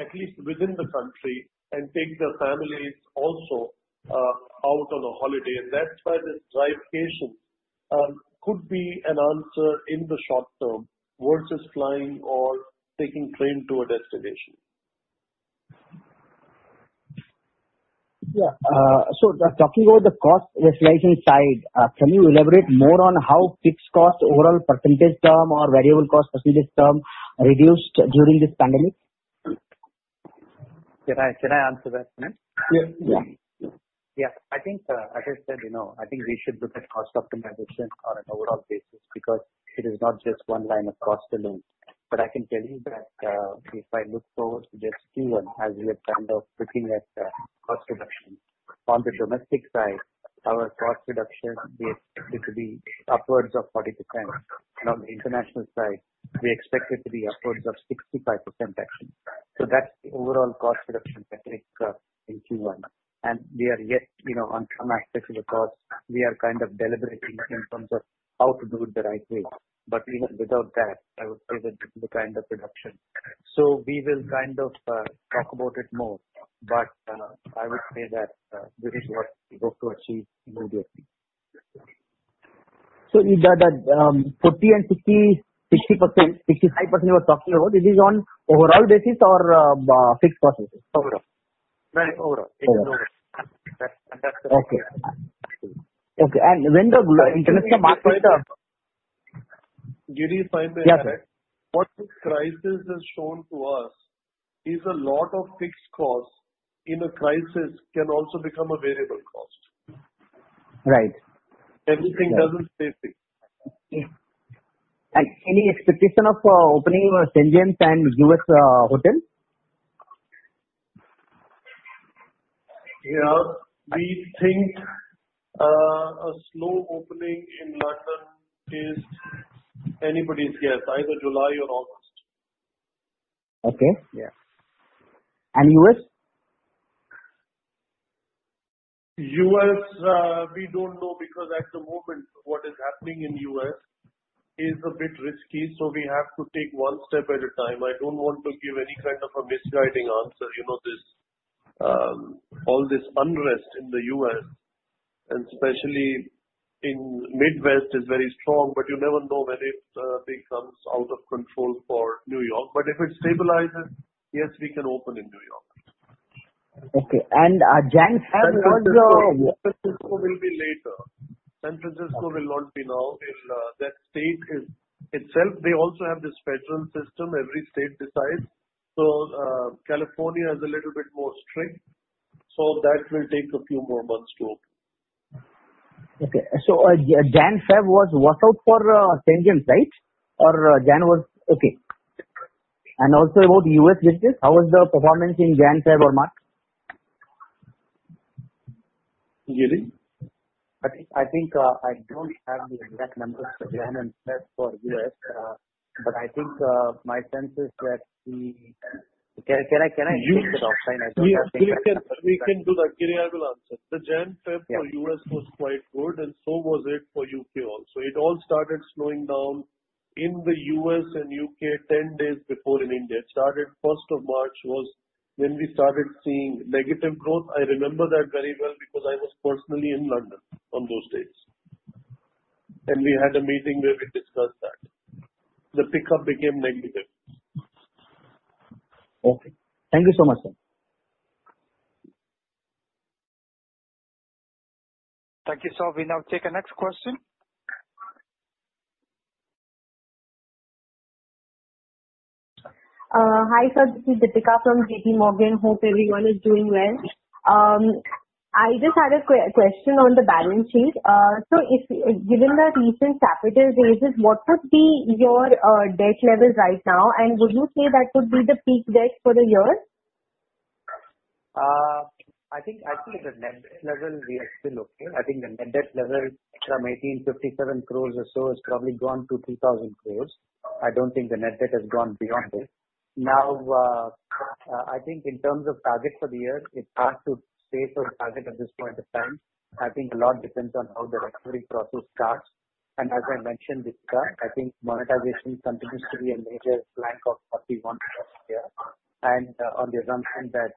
at least within the country and take their families also out on a holiday. That's why this drive-cation could be an answer in the short term versus flying or taking train to a destination. Yeah. Talking about the cost rationalization side, can you elaborate more on how fixed cost overall percentage term or variable cost percentage term reduced during this pandemic? Can I answer that, Sumanth? Yes. Yeah. Yeah. I think as I said, we should look at cost optimization on an overall basis because it is not just one line of cost alone. I can tell you that if I look forward to this Q1, as we are kind of looking at cost reduction on the domestic side, our cost reduction we expect it to be upwards of 40%. On the international side, we expect it to be upwards of 65%, actually. That's the overall cost reduction that we took in Q1. We are yet on some aspects of the cost, we are kind of deliberating in terms of how to do it the right way. Even without that, I would say that the kind of reduction. We will kind of talk about it more. I would say that this is what we hope to achieve moving forward. that 40 and 65% you are talking about, this is on overall basis or fixed cost basis? Overall. Very overall. Overall. That's the- Okay. when the international market- Giri, if I may interrupt. Yeah. What this crisis has shown to us is a lot of fixed costs in a crisis can also become a variable cost. Right. Everything doesn't stay fixed. Any expectation of opening St. James and US hotel? Yeah. We think a slow opening in London is anybody's guess, either July or August. Okay. Yeah. U.S.? U.S., we don't know because at the moment, what is happening in U.S. is a bit risky. We have to take one step at a time. I don't want to give any kind of a misguiding answer. All this unrest in the U.S., and especially in Midwest, is very strong. You never know when it becomes out of control for New York. If it stabilizes, yes, we can open in New York. Okay. January, February was. San Francisco will be later. San Francisco will not be now. That state itself, they also have this federal system. Every state decides. California is a little bit more strict, so that will take a few more months to open. Okay. Jan, Feb was worked out for St. James, right? Jan was. Okay. Also about U.S. business, how was the performance in Jan, Feb, or March? Giri? I think I don't have the exact numbers for Jan and Feb for U.S., but I think my sense is that. Can I take that offline? I don't have the exact numbers. We can do that, Giri. I will answer. The Jan, Feb for U.S. was quite good, and so was it for U.K. also. It all started slowing down in the U.S. and U.K., 10 days before in India. It started 1st of March, was when we started seeing negative growth. I remember that very well because I was personally in London on those dates and we had a meeting where we discussed that. The pickup became negative. Okay. Thank you so much, sir. Thank you. We now take the next question. Hi, sir. This is Dipika from JP Morgan. Hope everyone is doing well. I just had a question on the balance sheet. Given the recent capital raises, what would be your debt levels right now, and would you say that would be the peak debt for the year? I think the net debt level is still okay. I think the net debt level from 1,857 crores or so has probably gone to 3,000 crores. I don't think the net debt has gone beyond this. In terms of target for the year, it's hard to say for the target at this point in time. I think a lot depends on how the recovery process starts. As I mentioned, Dipika, I think monetization continues to be a major plank of what we want to do this year. On the assumption that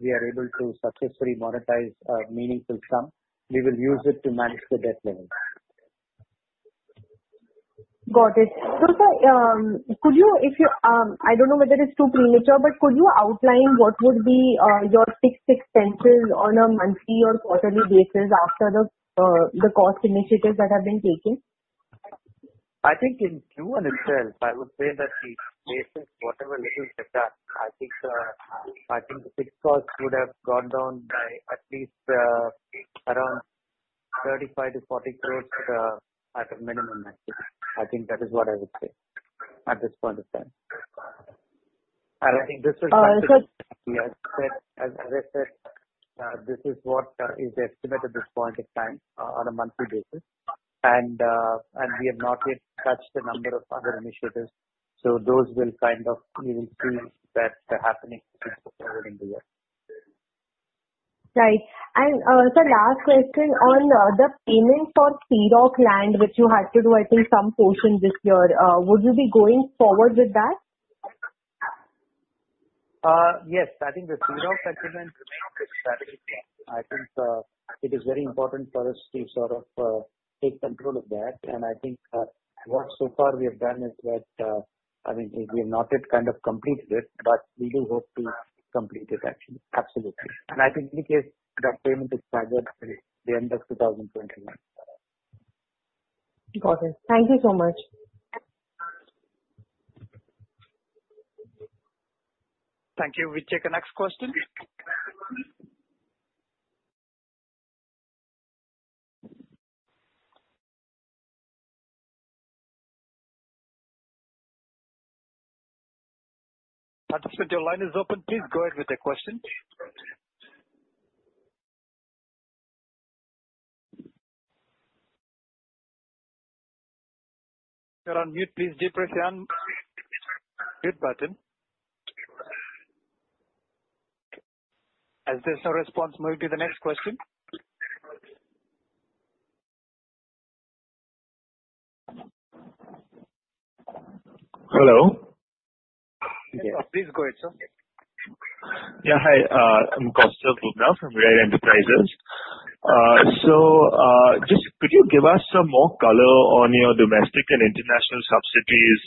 we are able to successfully monetize a meaningful sum, we will use it to manage the debt limits. Got it. Sir, I don't know whether it's too premature, could you outline what would be your fixed expenses on a monthly or quarterly basis after the cost initiatives that have been taken? I think in Q1 itself, I would say that we've faced whatever little is left out. I think the fixed costs would have gone down by at least around 35-40 crores at a minimum. I think that is what I would say at this point in time. Sir- As I said, this is what is estimated at this point in time on a monthly basis. We have not yet touched a number of other initiatives. Those will kind of increase that happening during the year. Right. Sir, last question. On the payment for Sea Rock land, which you had to do, I think some portion this year. Would you be going forward with that? Yes. I think the Sea Rock settlement it is very important for us to sort of take control of that. I think what so far we have done is that, we have not yet kind of completed it, but we do hope to complete it actually. Absolutely. I think in any case that payment is targeted for the end of 2021. Got it. Thank you so much. Thank you. We take the next question. Participant, your line is open. Please go ahead with the question. You're on mute. Please depress the unmute button. As there's no response, move to the next question. Hello. Please go ahead, sir. Hi, I'm Kaustav Bhuna from Rare Enterprises. Just could you give us some more color on your domestic and international subsidies?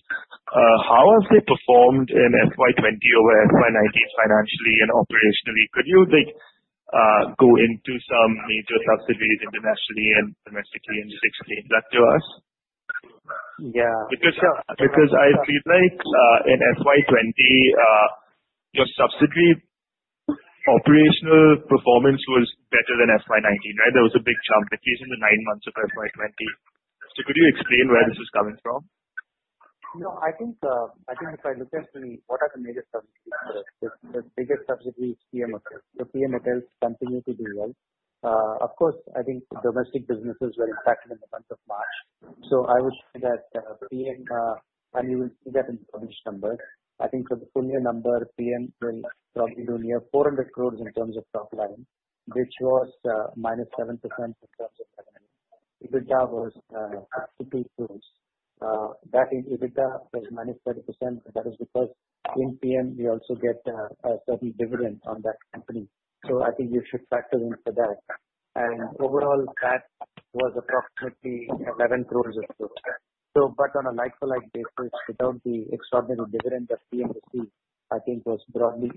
How have they performed in FY 2020 over FY 2019 financially and operationally? Could you go into some major subsidies internationally and domestically and just explain that to us? Yeah. I feel like in FY 2020, your subsidy operational performance was better than FY 2019, right? There was a big jump, at least in the nine months of FY 2020. Could you explain where this is coming from? I think if I look into what are the major subsidies, the biggest subsidy is Piem Hotels. The Piem Hotels continue to do well. Of course, I think domestic businesses were impacted in the month of March. I would say that Piem, and you will see that in the published numbers. I think for the full year number, Piem will probably do near 400 crores in terms of top line, which was -7% in terms of revenue. EBITDA was 2 crores. That is, EBITDA was -30%. That is because in Piem we also get a certain dividend from that company. I think you should factor in for that. Overall PAT was approximately 11 crores or so. On a like-for-like basis, without the extraordinary dividend that Piem received, I think was broadly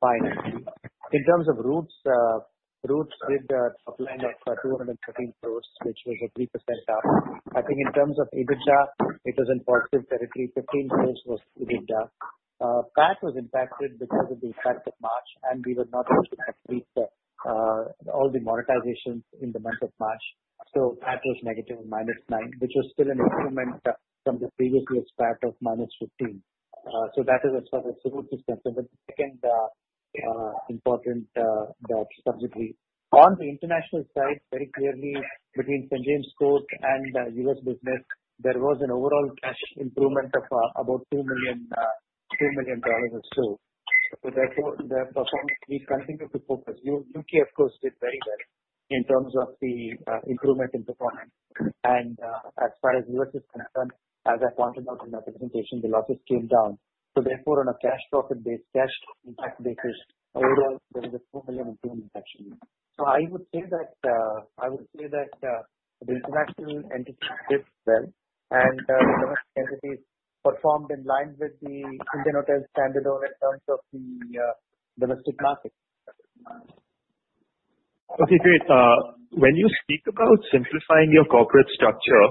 fine. In terms of Roots did a top line of 213 crores, which was a 3% up. I think in terms of EBITDA, it was in positive territory. 15 crores was EBITDA. PAT was impacted because of the effect of March, and we were not able to complete all the monetizations in the month of March. PAT was negative 9 crores, which was still an improvement from the previous year's PAT of -15 crores. That is a sort of a good system, but second important subsidy. On the international side, very clearly between St. James' Court and U.S. business, there was an overall cash improvement of about $2 million or so. Therefore, the performance we continue to focus. U.K., of course, did very well in terms of the improvement in performance. As far as U.S. is concerned, as I pointed out in my presentation, the losses came down. Therefore, on a cash profit base, cash impact basis, overall, there was a $4 million improvement actually. I would say that the international entity did well and the domestic entity performed in line with the Indian Hotels standard over in terms of the domestic market. Okay, great. When you speak about simplifying your corporate structure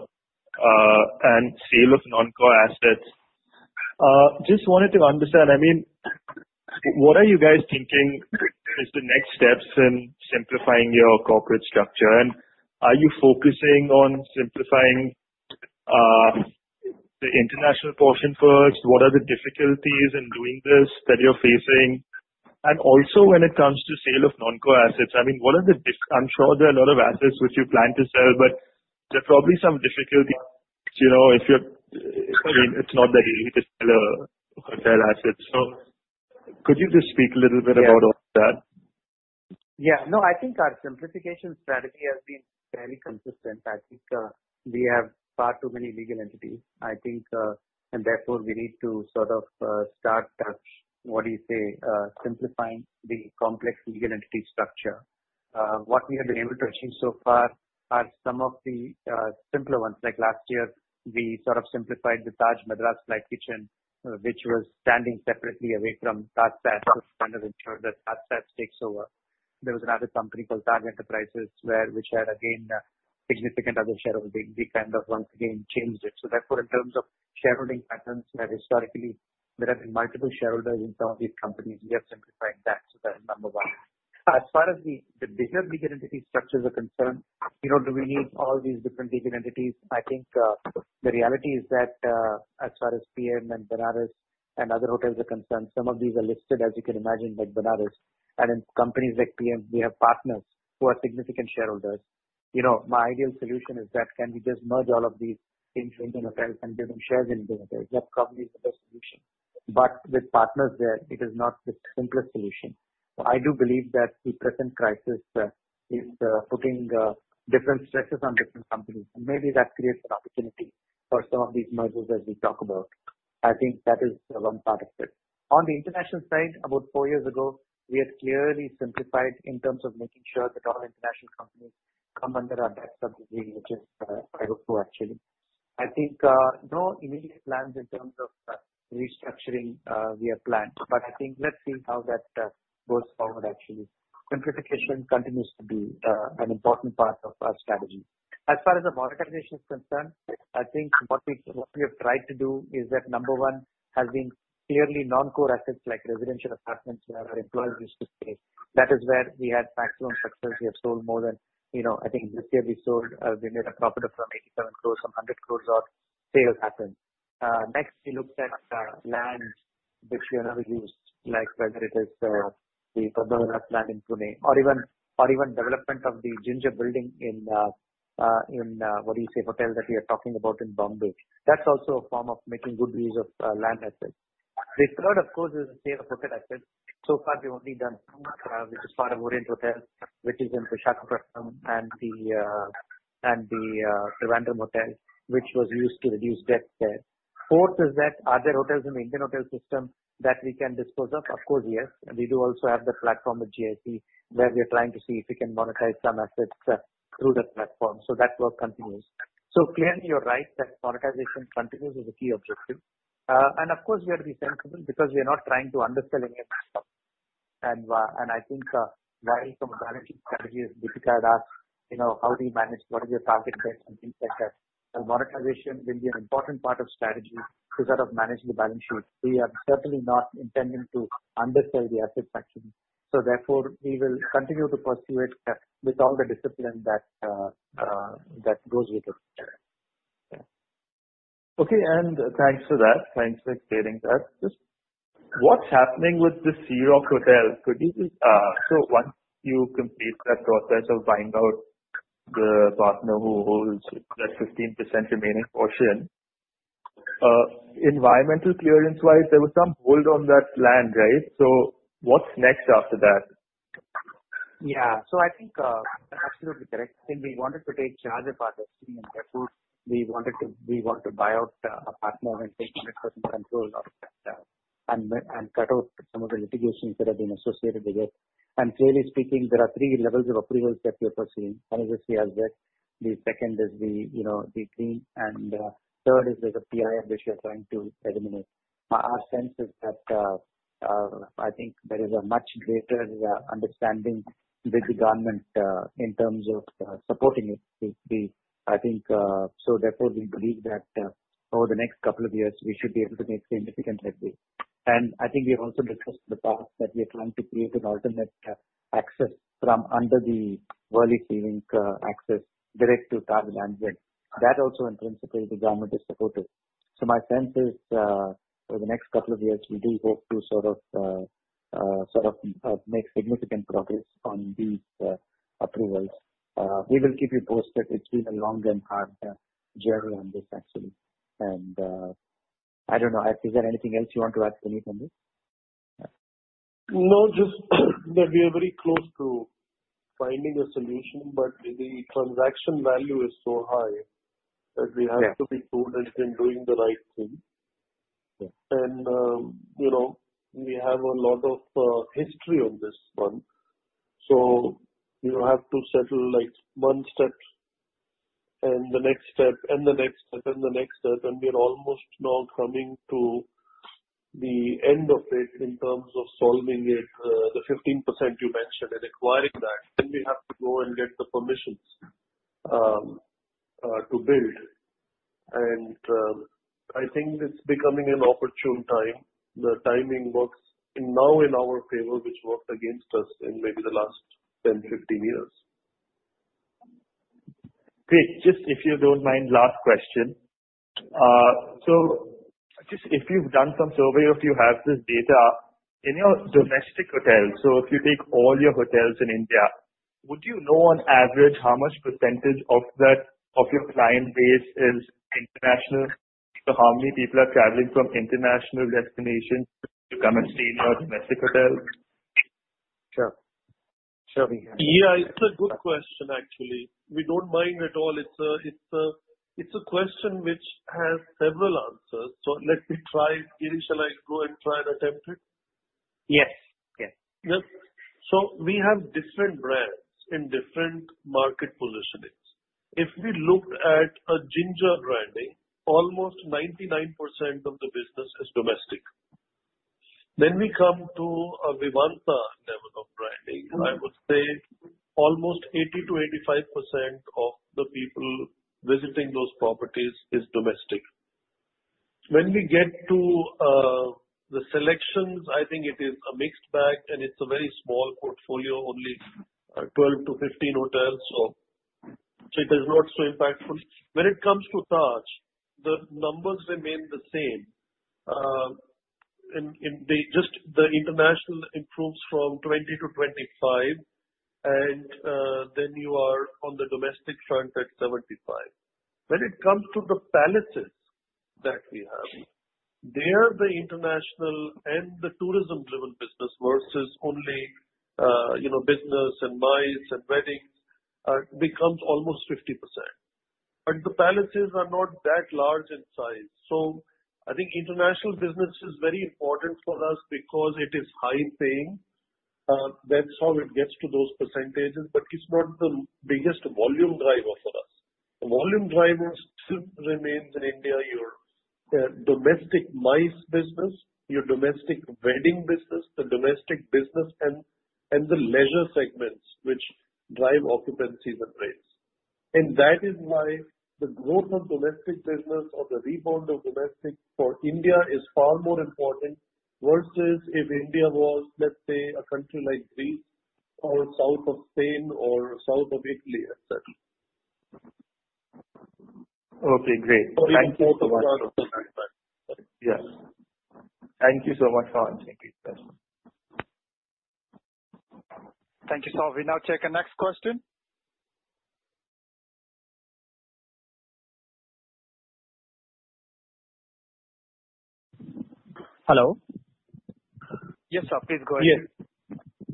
and sale of non-core assets, just wanted to understand, what are you guys thinking is the next steps in simplifying your corporate structure? Are you focusing on simplifying the international portion first? What are the difficulties in doing this that you are facing? Also when it comes to sale of non-core assets, I am sure there are a lot of assets which you plan to sell, but there are probably some difficulties. It is not that easy to sell a hotel asset. Could you just speak a little bit about all that? No, I think our simplification strategy has been very consistent. I think we have far too many legal entities. I think, therefore we need to sort of start simplifying the complex legal entity structure. What we have been able to achieve so far are some of the simpler ones. Like last year, we sort of simplified the Taj Madras Flight Kitchen which was standing separately away from TajSATS to kind of ensure that TajSATS takes over. There was another company called Taj Enterprises which had, again, significant other shareholding. We kind of once again changed it. Therefore, in terms of shareholding patterns that historically there have been multiple shareholders in some of these companies, we are simplifying that. That is number one. As far as the bigger legal entity structures are concerned, do we need all these different legal entities? I think the reality is that as far as Piem and Benares and other hotels are concerned, some of these are listed, as you can imagine, like Benares, and in companies like Piem, we have partners who are significant shareholders. My ideal solution is that can we just merge all of these into Indian Hotels and give them shares in Indian Hotels. That probably is the best solution. With partners there, it is not the simplest solution. I do believe that the present crisis is putting different stresses on different companies, and maybe that creates an opportunity for some of these mergers that we talk about. I think that is one part of it. On the international side, about four years ago, we have clearly simplified in terms of making sure that all international companies come under our best subsidiary, which is IHOCO BV actually. I think no immediate plans in terms of restructuring we have planned, but I think let's see how that goes forward actually. Simplification continues to be an important part of our strategy. As far as the monetization is concerned, I think what we have tried to do is that number one has been clearly non-core assets like residential apartments where our employees used to stay. That is where we had maximum success. We have sold more than I think this year we made a profit of some 87 million, some 100 million of sale has happened. Next, we looked at lands which we have not used, like whether it is the Bandra land in Pune or even development of the Ginger building in, what do you say, hotel that we are talking about in Bombay. That's also a form of making good use of land assets. The third, of course, is the sale of hotel assets. So far we've only done two, which is part of Orient Hotel, which is in Visakhapatnam and the Trivandrum hotel, which was used to reduce debt there. Fourth is that are there hotels in the Indian Hotels system that we can dispose of? Of course, yes. We do also have the platform with GIC where we're trying to see if we can monetize some assets through that platform. That work continues. Clearly, you're right that monetization continues as a key objective. Of course, we have to be sensible because we are not trying to undersell any asset. I think while from a balancing strategy as Dipika has asked, how do you manage? What is your target rate and things like that? Monetization will be an important part of strategy to sort of manage the balance sheet. We are certainly not intending to undersell the asset section. Therefore, we will continue to pursue it with all the discipline that goes with it. Okay. Thanks for that. Thanks for explaining that. Just what's happening with the Sea Rock hotel? Once you complete that process of buying out the partner who holds that 15% remaining portion, environmental clearance-wise, there was some hold on that land, right? What's next after that? Yeah. I think you are absolutely correct. I think we wanted to take charge of our destiny and therefore we want to buy out a partner and take 100% control of that and cut out some of the litigations that have been associated with it. Clearly speaking, there are three levels of approvals that we are pursuing. One is the CRZ, the second is the CEC, and third is the IoD, which we are trying to eliminate. Our sense is that I think there is a much greater understanding with the government in terms of supporting it. Therefore, we believe that over the next couple of years, we should be able to make significant headway. I think we have also discussed in the past that we are trying to create an alternate access from under the Worli Sea Link access direct to Taj Lands End. That also in principle, the government is supportive. My sense is over the next couple of years, we do hope to sort of make significant progress on these approvals. We will keep you posted. It's been a long and hard journey on this actually. I don't know. Is there anything else you want to add, Sunny, on this? No, just that we are very close to finding a solution. The transaction value is so high that we have to be told that we're doing the right thing. Yeah. We have a lot of history on this one. We have to settle one step, and the next step, and the next step, and the next step, and we're almost now coming to the end of it in terms of solving it, the 15% you mentioned, and acquiring that. We have to go and get the permissions to build. I think it's becoming an opportune time. The timing works now in our favor, which worked against us in maybe the last 10, 15 years. Great. Just if you don't mind, last question. Just if you've done some survey, or if you have this data. In your domestic hotels, if you take all your hotels in India, would you know on average how much % of your client base is international? How many people are traveling from international destinations to come and stay in your domestic hotels? Sure. Sure, we can. It's a good question, actually. We don't mind at all. It's a question which has several answers. Let me try. Giri, shall I go and try and attempt it? Yes. We have different brands in different market positionings. If we look at a Ginger branding, almost 99% of the business is domestic. When we come to a Vivanta level of branding, I would say almost 80%-85% of the people visiting those properties is domestic. When we get to the SeleQtions, I think it is a mixed bag, and it's a very small portfolio, only 12 to 15 hotels, so it is not so impactful. When it comes to Taj, the numbers remain the same. Just the international improves from 20 to 25, and then you are on the domestic front at 75. When it comes to the palaces that we have, there the international and the tourism-driven business versus only business, and MICE, and weddings becomes almost 50%. The palaces are not that large in size. I think international business is very important for us because it is high-paying. That's how it gets to those percentages, but it's not the biggest volume driver for us. The volume driver still remains in India, your domestic MICE business, your domestic wedding business, the domestic business and the leisure segments which drive occupancies and rates. That is why the growth of domestic business or the rebound of domestic for India is far more important, versus if India was, let's say, a country like Greece or south of Spain or south of Italy, et cetera. Okay, great. Thank you so much. Yes. Thank you so much for answering these questions. Thank you. We now take our next question. Hello. Yes. Please go ahead.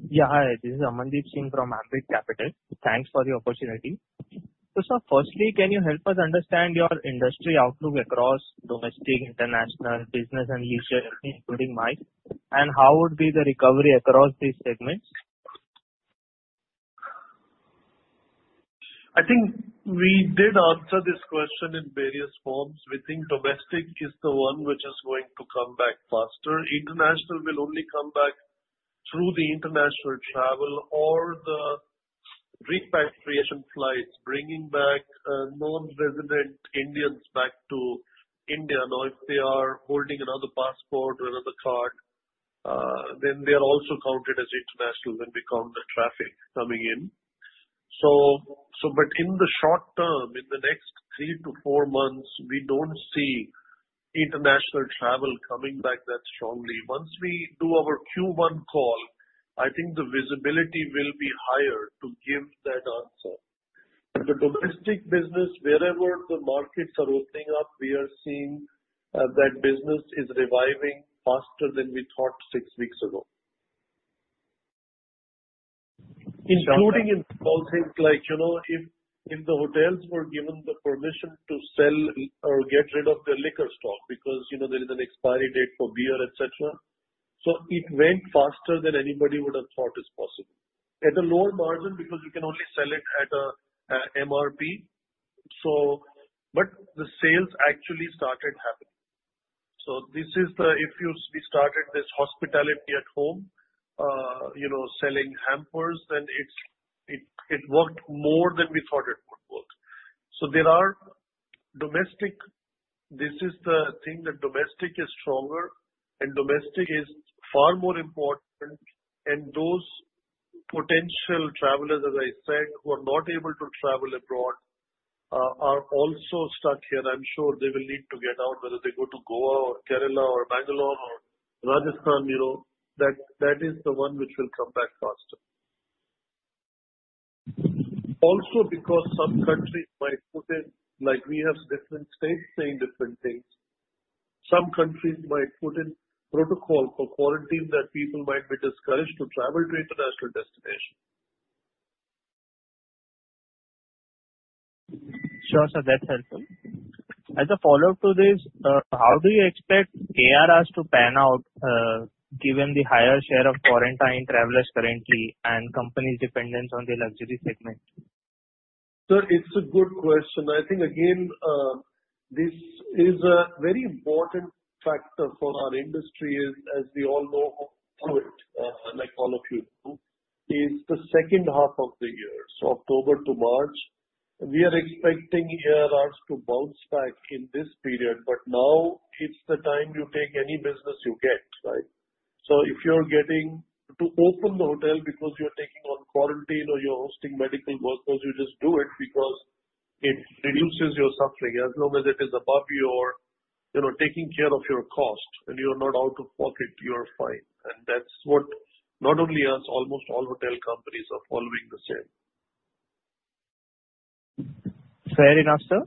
Yeah. Hi. This is Amandeep Singh from Ambit Capital. Thanks for the opportunity. Sir, firstly, can you help us understand your industry outlook across domestic, international business and leisure, including MICE, and how would be the recovery across these segments? I think we did answer this question in various forms. We think domestic is the one which is going to come back faster. International will only come back through the international travel or the repatriation flights, bringing back non-resident Indians back to India. Now, if they are holding another passport or another card, then they are also counted as international when we count the traffic coming in. In the short term, in the next three to four months, we don't see international travel coming back that strongly. Once we do our Q1 call, I think the visibility will be higher to give that answer. The domestic business, wherever the markets are opening up, we are seeing that business is reviving faster than we thought six weeks ago. Including in small things like if the hotels were given the permission to sell or get rid of their liquor stock because there is an expiry date for beer, et cetera. It went faster than anybody would have thought is possible. At a lower margin because you can only sell it at a MRP. The sales actually started happening. We started this Hospitality at Home selling hampers, and it worked more than we thought it would work. This is the thing that domestic is stronger and domestic is far more important, and those potential travelers, as I said, who are not able to travel abroad are also stuck here. I'm sure they will need to get out, whether they go to Goa or Kerala or Bangalore or Rajasthan. That is the one which will come back faster. Also because some countries might put in, like we have different states saying different things. Some countries might put in protocol for quarantine that people might be discouraged to travel to international destinations. Sure, sir. That's helpful. As a follow-up to this, how do you expect ARRs to pan out, given the higher share of quarantine travelers currently and companies' dependence on the luxury segment? Sir, it's a good question. I think, again, this is a very important factor for our industry, as we all know through it, like all of you do, is the second half of the year, October to March. We are expecting ARRs to bounce back in this period. Now it's the time you take any business you get. If you're getting to open the hotel because you're taking on quarantine or you're hosting medical workers, you just do it because it reduces your suffering. As long as it is above your taking care of your cost and you're not out of pocket, you are fine. That's what not only us, almost all hotel companies are following the same. Fair enough, sir.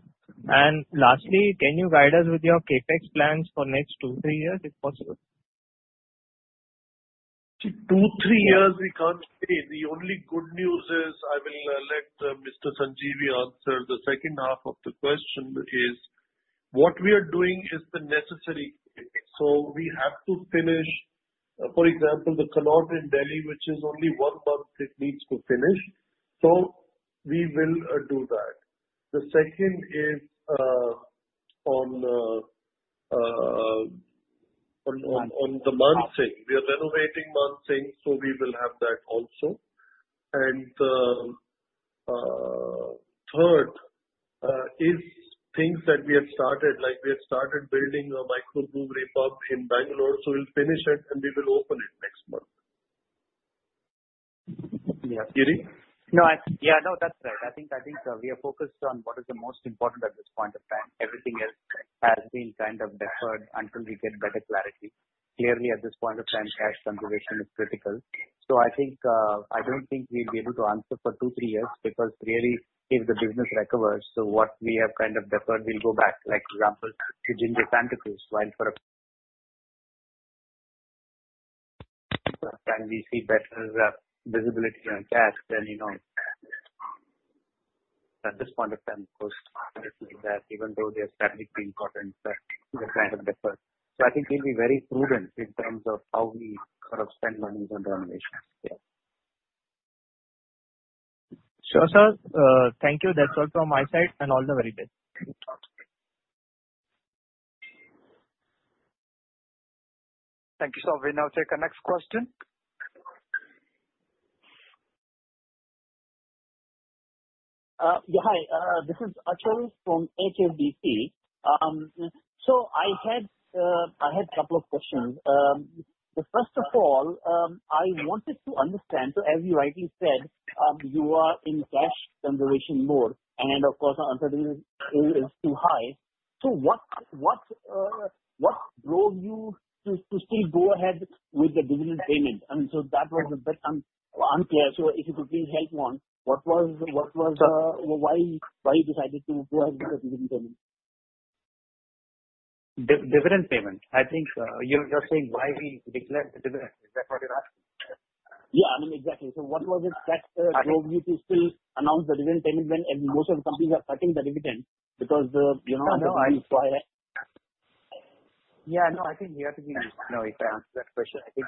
Lastly, can you guide us with your CapEx plans for next two, three years, if possible? Two, three years we can't say. The only good news is I will let Mr. Sanjeevi answer the second half of the question, which is what we are doing is the necessary CapEx. We have to finish, for example, The Connaught in Delhi, which is only one month it needs to finish. We will do that. The second is on the Mansingh. We are renovating Mansingh. We will have that also. Third is things that we have started, like we have started building a microbrewery pub in Bangalore. We'll finish it and we will open it next month. Yeah. Sanjeevi? That's right. I think we are focused on what is the most important at this point of time. Everything else has been kind of deferred until we get better clarity. Clearly, at this point of time, cash conservation is critical. I don't think we'll be able to answer for two, three years because clearly if the business recovers, what we have deferred will go back. Like for example, kitchen in the Taj Santacruz, when we see better visibility on cash, then at this point of time, of course, projects like that even though they're strategically important, they're kind of deferred. I think we'll be very prudent in terms of how we sort of spend money on renovations. Sure, sir. Thank you. That's all from my side and all the very best. Thank you. Thank you, sir. We now take our next question. Hi. This is Achales from HDFC. I had couple of questions. First of all, I wanted to understand, as you rightly said, you are in cash conservation mode and of course, our uncertainty is too high. What drove you to still go ahead with the dividend payment? That was a bit unclear. If you could please help on why you decided to go ahead with the dividend payment. Dividend payment. I think you're saying why we declared the dividend. Is that what you're asking? Yeah, exactly. What was it that drove you to still announce the dividend payment when most of the companies are cutting the dividend because the- Yeah, no, I think if I answer that question, I think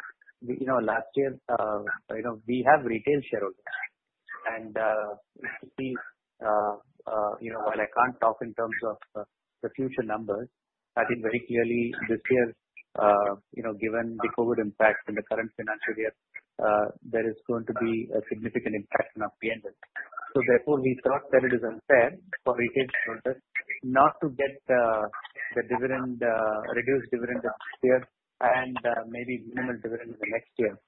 last year, we have retail shareholders and while I can't talk in terms of the future numbers, I think very clearly this year, given the COVID impact and the current financial year, there is going to be a significant impact on our P&L. Therefore, we thought that it is unfair for retail shareholders not to get the reduced dividend this year and maybe minimal dividend in the next year.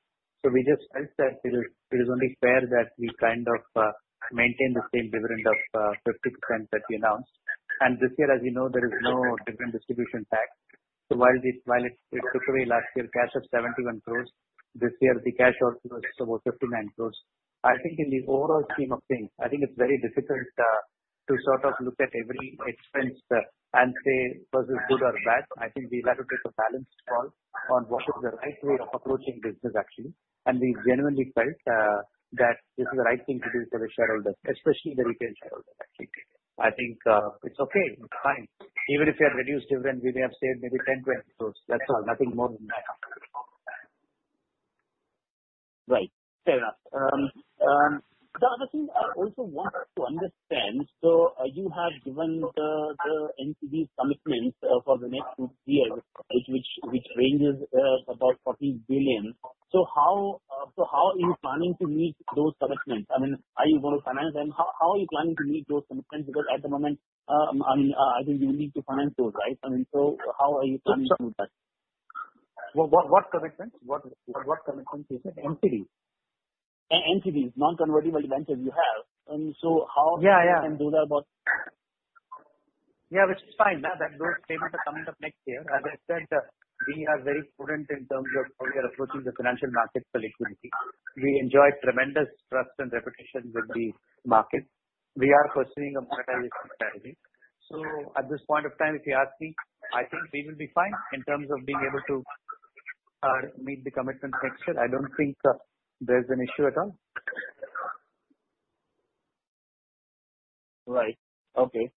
We just felt that it is only fair that we kind of maintain the same dividend of 50% that we announced. This year, as you know, there is no dividend distribution tax. While it took away last year cash of 71 crores, this year the cash outflow is about 59 crores. I think in the overall scheme of things, I think it's very difficult to sort of look at every expense and say, "Was this good or bad?" I think we have to take a balanced call on what is the right way of approaching business, actually. We genuinely felt that this is the right thing to do for the shareholders, especially the retail shareholders, actually. I think it's okay, fine. Even if we had reduced dividend, we may have saved maybe 10 crore, 20 crore. That's all. Nothing more than that. Right. Fair enough. The other thing I also want to understand, you have given the NCD commitments for the next two years, which ranges about 40 billion. How are you planning to meet those commitments? I mean, are you going to finance them? How are you planning to meet those commitments? Because at the moment, I think you need to finance those, right? I mean, how are you planning to do that? What commitments? What commitments you said? NCDs. Non-convertible debentures you have. I mean, how- Yeah you can do that about Yeah, which is fine. Those payments are coming up next year. As I said, we are very prudent in terms of how we are approaching the financial markets for liquidity. We enjoy tremendous trust and reputation with the market. We are pursuing a monetization strategy. At this point in time, if you ask me, I think we will be fine in terms of being able to meet the commitments next year. I don't think there's an issue at all. Right. Okay.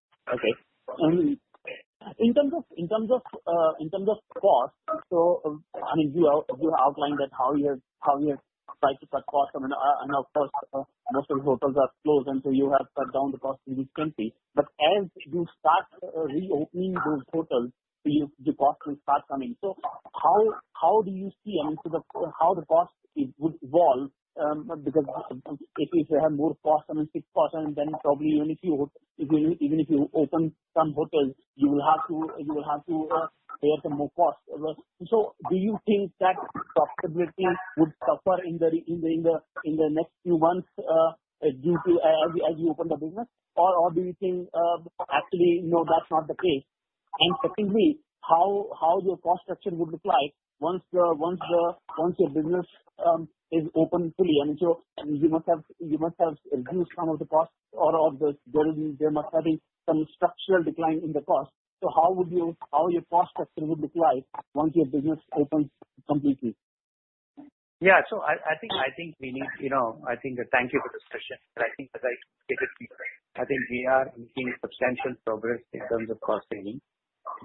In terms of cost, you outlined how you try to cut costs and of course, most of the hotels are closed until you have cut down the cost significantly. As you start reopening those hotels, the costs will start coming. How do you see how the cost would evolve? Because if you have more costs than 6%, then probably even if you open some hotels, you will have to bear some more costs. Do you think that profitability would suffer in the next few months as you open the business, or do you think actually, no, that's not the case? Secondly, how your cost structure would look like once your business is open fully you must have reduced some of the costs or there must have been some structural decline in the cost. How your cost structure would look like once your business opens completely? Yeah. I think thank you for this question. I think as I take it, we are making substantial progress in terms of cost saving.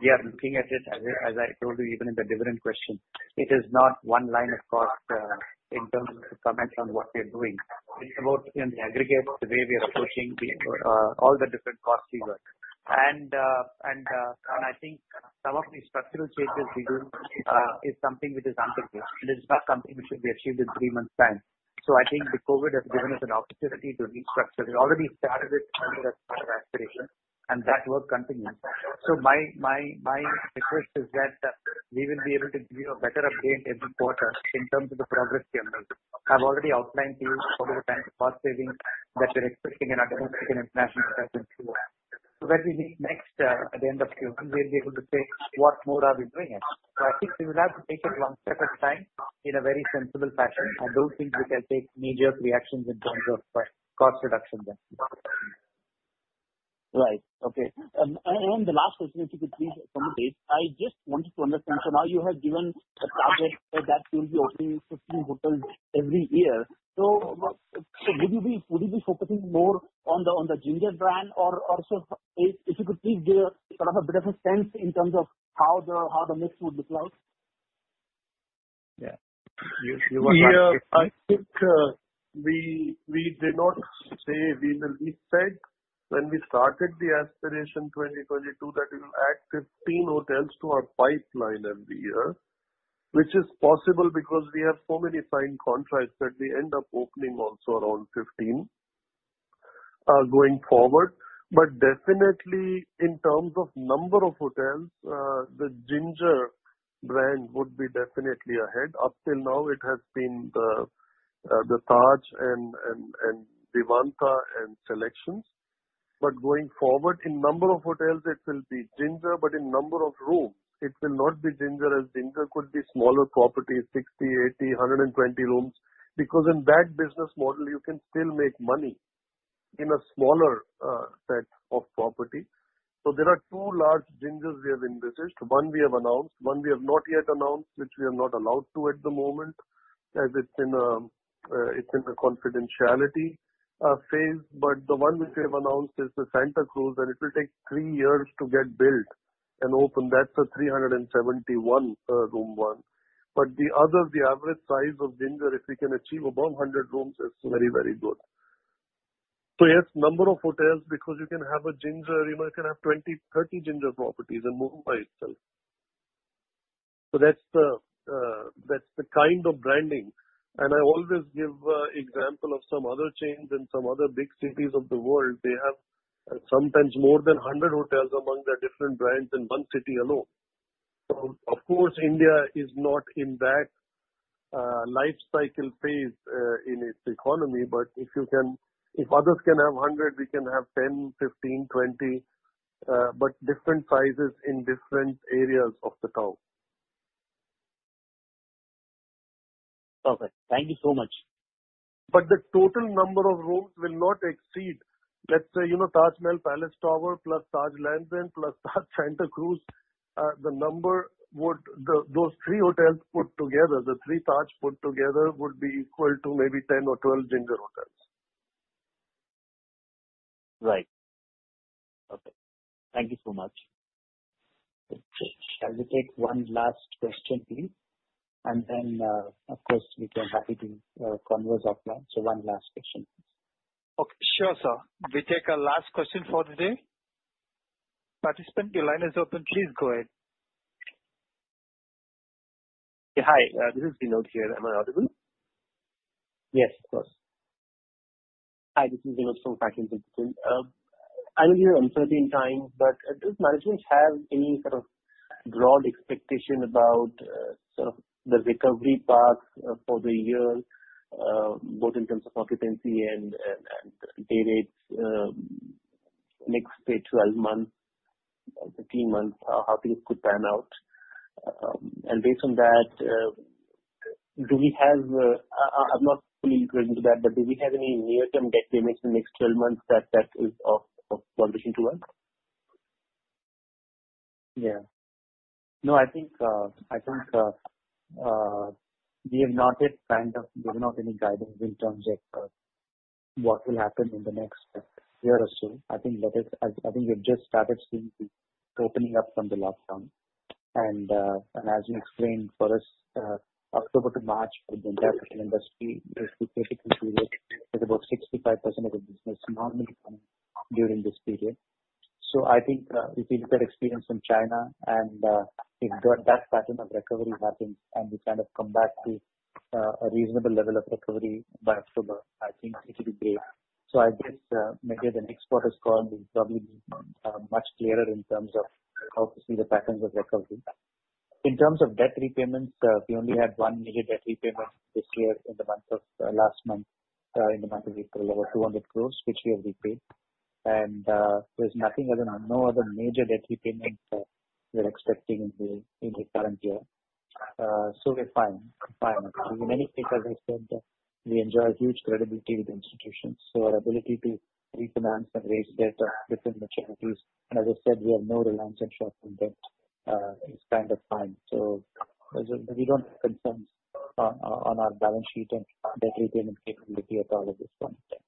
We are looking at it, as I told you, even in the dividend question. It is not one line of cost in terms of the comment on what we are doing. It's about in the aggregate, the way we are approaching all the different cost we work. I think some of the structural changes we do is something which is ongoing. It is not something which will be achieved in three months time. I think the COVID has given us an opportunity to restructure. We already started it under Aspiration and that work continues. My request is that we will be able to give you a better update every quarter in terms of the progress we are making. I've already outlined to you some of the kinds of cost saving that we're expecting in our domestic and international presence. When we meet next at the end of Q1, we'll be able to say what more are we doing. I think we will have to take it one step at a time in a very sensible fashion. I don't think we can take major reactions in terms of cost reduction then. Right. Okay. The last question, if you could please comment on. I just wanted to understand, now you have given a target that you'll be opening 15 hotels every year. Would you be focusing more on the Ginger brand or if you could please give a bit of a sense in terms of how the mix would look like. Yeah. I think we did not say we will. We said when we started the Aspiration 2022 that we will add 15 hotels to our pipeline every year, which is possible because we have so many signed contracts that we end up opening also around 15 going forward. Definitely in terms of number of hotels the Ginger brand would be definitely ahead. Up till now it has been the Taj and Vivanta and SeleQtions. Going forward, in number of hotels it will be Ginger, but in number of rooms it will not be Ginger, as Ginger could be smaller properties, 60, 80, 120 rooms. Because in that business model you can still make money in a smaller set of property. So there are two large Gingers we have envisaged. One we have announced, one we have not yet announced, which we are not allowed to at the moment as it's in a confidentiality phase. The one which we have announced is the Santacruz, and it will take three years to get built and open. That's a 371 room one. The other, the average size of Ginger, if we can achieve above 100 rooms is very good. Yes, number of hotels because you can have a Ginger, you can have 20, 30 Ginger properties in Mumbai itself. That's the kind of branding and I always give example of some other chains in some other big cities of the world. They have sometimes more than 100 hotels among their different brands in one city alone. Of course, India is not in that life cycle phase in its economy, if others can have 100, we can have 10, 15, 20 but different sizes in different areas of the town. Perfect. Thank you so much. The total number of rooms will not exceed, let's say, Taj Mahal Palace Tower plus Taj Lands End plus Taj Santacruz. Those three hotels put together, the three Taj put together would be equal to maybe 10 or 12 Ginger hotels. Right. Okay. Thank you so much. Shall we take one last question, please? Then, of course, we can happily converse offline. One last question, please. Okay. Sure, sir. We take our last question for today. Participant, your line is open. Please go ahead. Hi, this is Vinod here. Am I audible? Yes, of course. Hi, this is Vinod from FactSet. I know you are uncertain time. Does management have any sort of broad expectation about the recovery path for the year, both in terms of occupancy and day rates next 12 months, 15 months, how things could pan out. Based on that, I'm not fully going into that. Do we have any near-term debt payments in the next 12 months that is of concern to us? Yeah. No, I think we have not yet kind of, there's not any guidance in terms of what will happen in the next year or so. I think we have just started seeing the opening up from the lockdown. As you explained, for us, October to March for the entire hotel industry is the critical period with about 65% of the business normally coming during this period. I think if we compare experience from China and if that pattern of recovery happens and we kind of come back to a reasonable level of recovery by October, I think it will be great. I guess maybe the next quarter's call will probably be much clearer in terms of how to see the patterns of recovery. In terms of debt repayments, we only had one major debt repayment this year in the month of last month, in the month of April, over 200 crores, which we have repaid. There's no other major debt repayment we're expecting in the current year. We're fine. In many ways, as I said, we enjoy huge credibility with institutions, so our ability to refinance and raise debt of different maturities, as I said, we have no reliance on short-term debt, is kind of fine. We don't have concerns on our balance sheet and debt repayment capability at all at this point in time.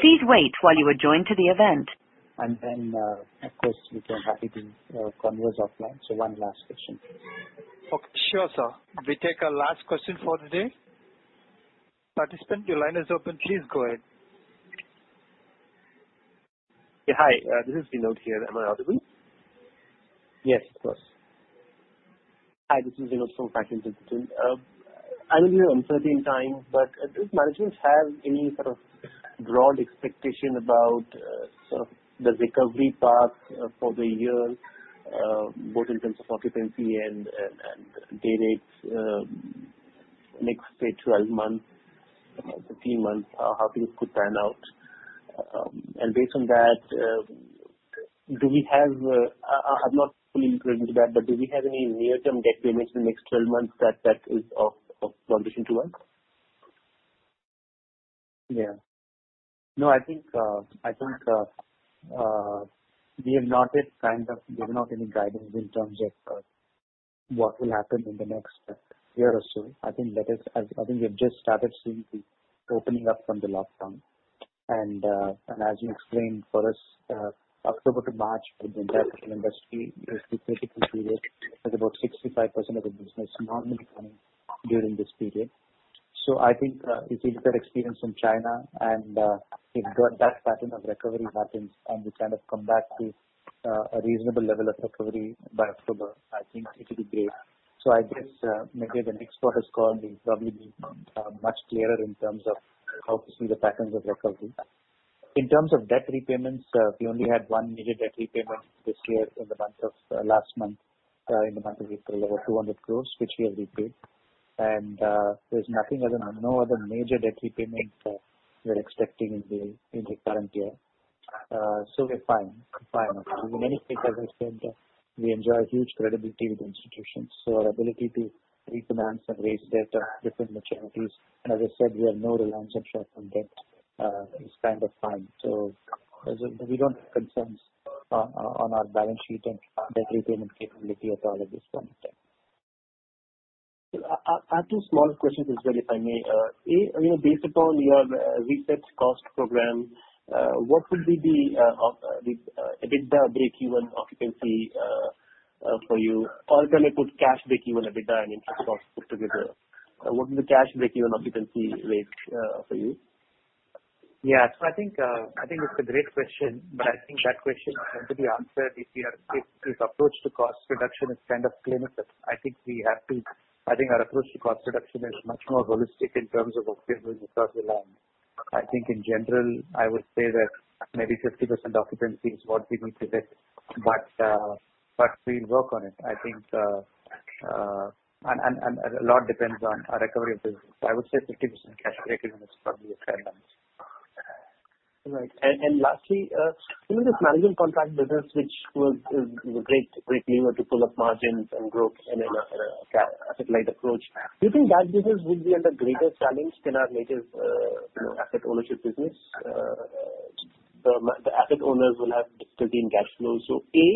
Please wait while you are joined to the event. Then, of course, we can happily converse offline. One last question. Okay. Sure, sir. We take our last question for today. Participant, your line is open. Please go ahead. Hi, this is Vinod here. Am I audible? Yes, of course. Hi, this is Vinod from FactSet. I know these are uncertain times. Does management have any sort of broad expectation about the recovery path for the year, both in terms of occupancy and day rates next 12 months, 15 months, how things could pan out? Based on that, I'm not fully going into that. Do we have any near-term debt payments in the next 12 months that is of concern to us? Yeah. No, I think we have not yet kind of, there's not any guidance in terms of what will happen in the next year or so. I think we have just started seeing the opening up from the lockdown. As you explained, for us, October to March for the entire hotel industry is the critical period with about 65% of the business normally coming during this period. I think if we compare experience from China and if that pattern of recovery happens and we kind of come back to a reasonable level of recovery by October, I think it will be great. I guess maybe the next quarter's call will probably be much clearer in terms of how to see the patterns of recovery. In terms of debt repayments, we only had one major debt repayment this year in the month of last month, in the month of April, over 200 crore, which we have repaid. There's no other major debt repayment we're expecting in the current year. We're fine. In many ways, as I said, we enjoy huge credibility with institutions, so our ability to refinance and raise debt of different maturities, and as I said, we have no reliance on short-term debt, is kind of fine. We don't have concerns on our balance sheet and debt repayment capability at all at this point in time. I have two small questions as well, if I may. A, based upon your reset cost program, what will be the EBITDA breakeven occupancy for you? Can I put cash breakeven EBITDA and interest cost put together? What will the cash breakeven occupancy rate for you? Yeah. I think it's a great question, but I think that question can't be answered if your approach to cost reduction is kind of claim assisted. I think our approach to cost reduction is much more holistic in terms of occupancy because of the land. I think in general, I would say that maybe 50% occupancy is what we need to get, but we'll work on it. I think a lot depends on our recovery of business. I would say 50% cash breakeven is probably a fair number. Right. Lastly, this management contract business, which was a great lever to pull up margins and growth and asset-light approach. Do you think that business will be under greater challenge than our native asset ownership business? The asset owners will have difficulty in cash flow. A,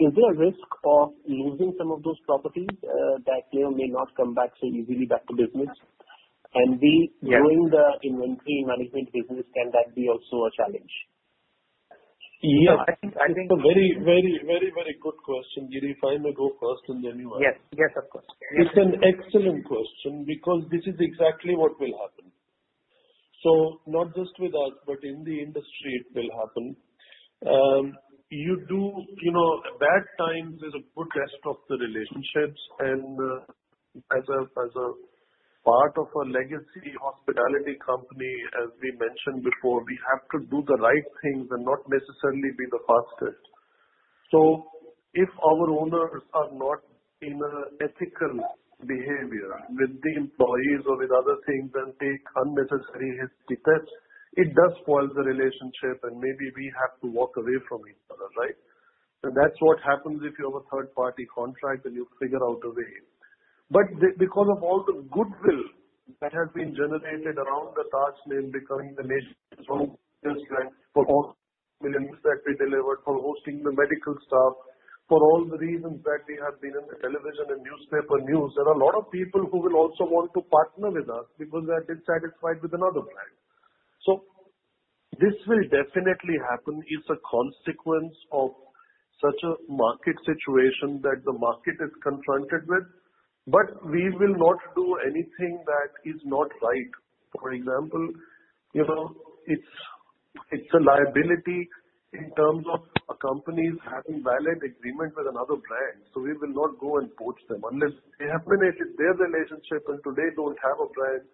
is there a risk of losing some of those properties that clearly may not come back so easily back to business? B, Yeah growing the inventory management business, can that be also a challenge? Yeah. I think It's a very good question. Girish, why don't you go first, and then me last. Yes. Of course. It's an excellent question because this is exactly what will happen. Not just with us, but in the industry, it will happen. Bad times is a good test of the relationships, and as a part of a legacy hospitality company, as we mentioned before, we have to do the right things and not necessarily be the fastest. If our owners are not in ethical behavior with the employees or with other things and take unnecessary risks, it does spoil the relationship and maybe we have to walk away from each other, right? That's what happens if you have a third-party contract and you figure out a way. Because of all the goodwill that has been generated around the Taj name becoming the nation's home since then, for all millions that we delivered for hosting the medical staff, for all the reasons that we have been in the television and newspaper news, there are a lot of people who will also want to partner with us because they have been satisfied with another brand. This will definitely happen. It's a consequence of such a market situation that the market is confronted with, we will not do anything that is not right. For example, it's a liability in terms of a company having valid agreement with another brand. We will not go and poach them unless they have terminated their relationship and today don't have a brand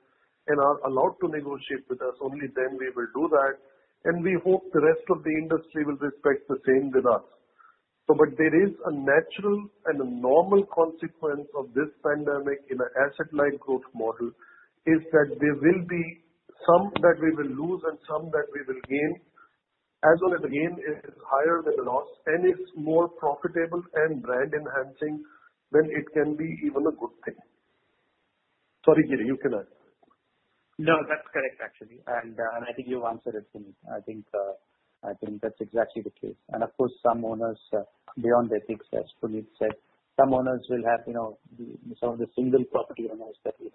and are allowed to negotiate with us. Only then we will do that, we hope the rest of the industry will respect the same with us. There is a natural and a normal consequence of this pandemic in an asset-light growth model, is that there will be some that we will lose and some that we will gain. As long as the gain is higher than the loss and it's more profitable and brand enhancing, then it can be even a good thing. Sorry, Giri, you can answer. No, that's correct, actually. I think you answered it, Puneet. I think that's exactly the case. Of course, some owners, beyond ethics, as Puneet said, some of the single-property owners that we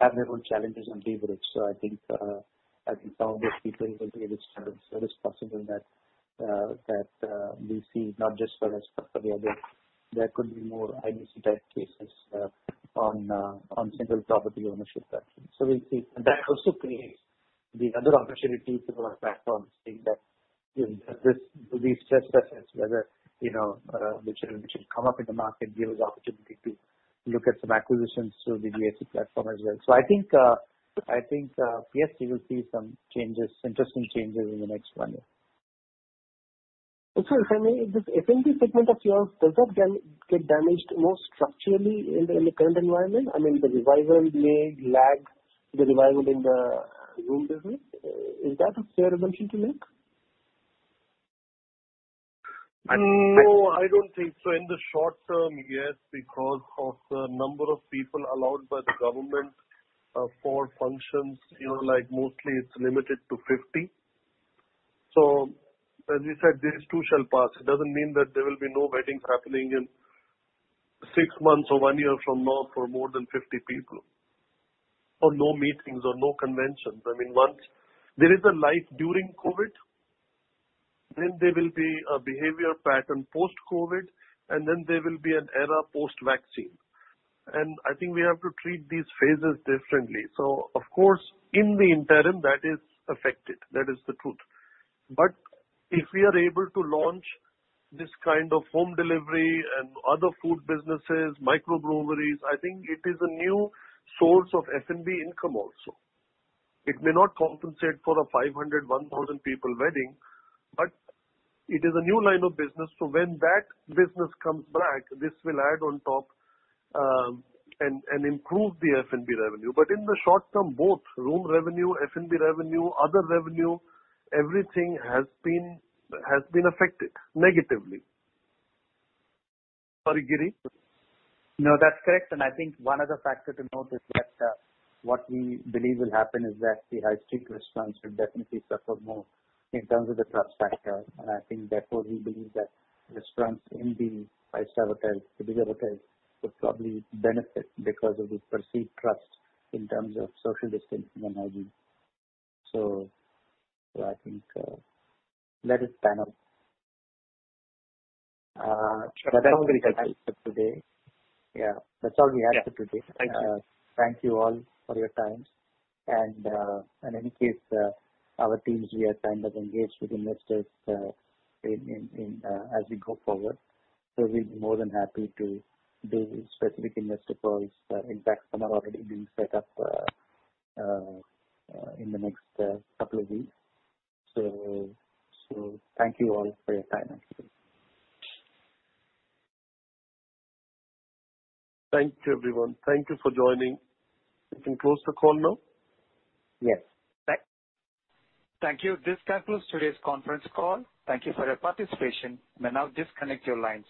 have their own challenges and leverage. I think some of those people will be at risk, and it is possible that we see not just for us but for the others, there could be more IBC-type cases on single-property ownership. We'll see. That also creates the other opportunity for our platform, seeing that this will be stress tests whether which will come up in the market give us opportunity to look at some acquisitions through the DAC platform as well. I think, yes, we will see some interesting changes in the next one year. If I may, this F&B segment of yours, does that get damaged more structurally in the current environment? I mean, the revival may lag the revival in the room business. Is that a fair assumption to make? No, I don't think so. In the short term, yes, because of the number of people allowed by the government for functions, mostly it's limited to 50. As we said, this too shall pass. It doesn't mean that there will be no weddings happening in six months or one year from now for more than 50 people or no meetings or no conventions. There is a life during COVID, then there will be a behavior pattern post-COVID, then there will be an era post-vaccine. I think we have to treat these phases differently. Of course, in the interim, that is affected. That is the truth. If we are able to launch this kind of home delivery and other food businesses, microbreweries, I think it is a new source of F&B income also. It may not compensate for a 500, 1,000 people wedding, but it is a new line of business. When that business comes back, this will add on top and improve the F&B revenue. In the short term, both room revenue, F&B revenue, other revenue, everything has been affected negatively. Sorry, Giri. No, that's correct. I think one other factor to note is that what we believe will happen is that the high-street restaurants will definitely suffer more in terms of the trust factor. I think, therefore, we believe that restaurants in the five-star hotels, the bigger hotels, would probably benefit because of the perceived trust in terms of social distancing and hygiene. I think that is all. That's all we have for today. That's all we have for today. Thank you. Thank you all for your time. In any case, our teams here stand as engaged with investors as we go forward. We'll be more than happy to do specific investor calls. In fact, some are already being set up in the next couple of weeks. Thank you all for your time actually. Thank you, everyone. Thank you for joining. We can close the call now. Yes. Bye. Thank you. This concludes today's conference call. Thank you for your participation. You may now disconnect your lines.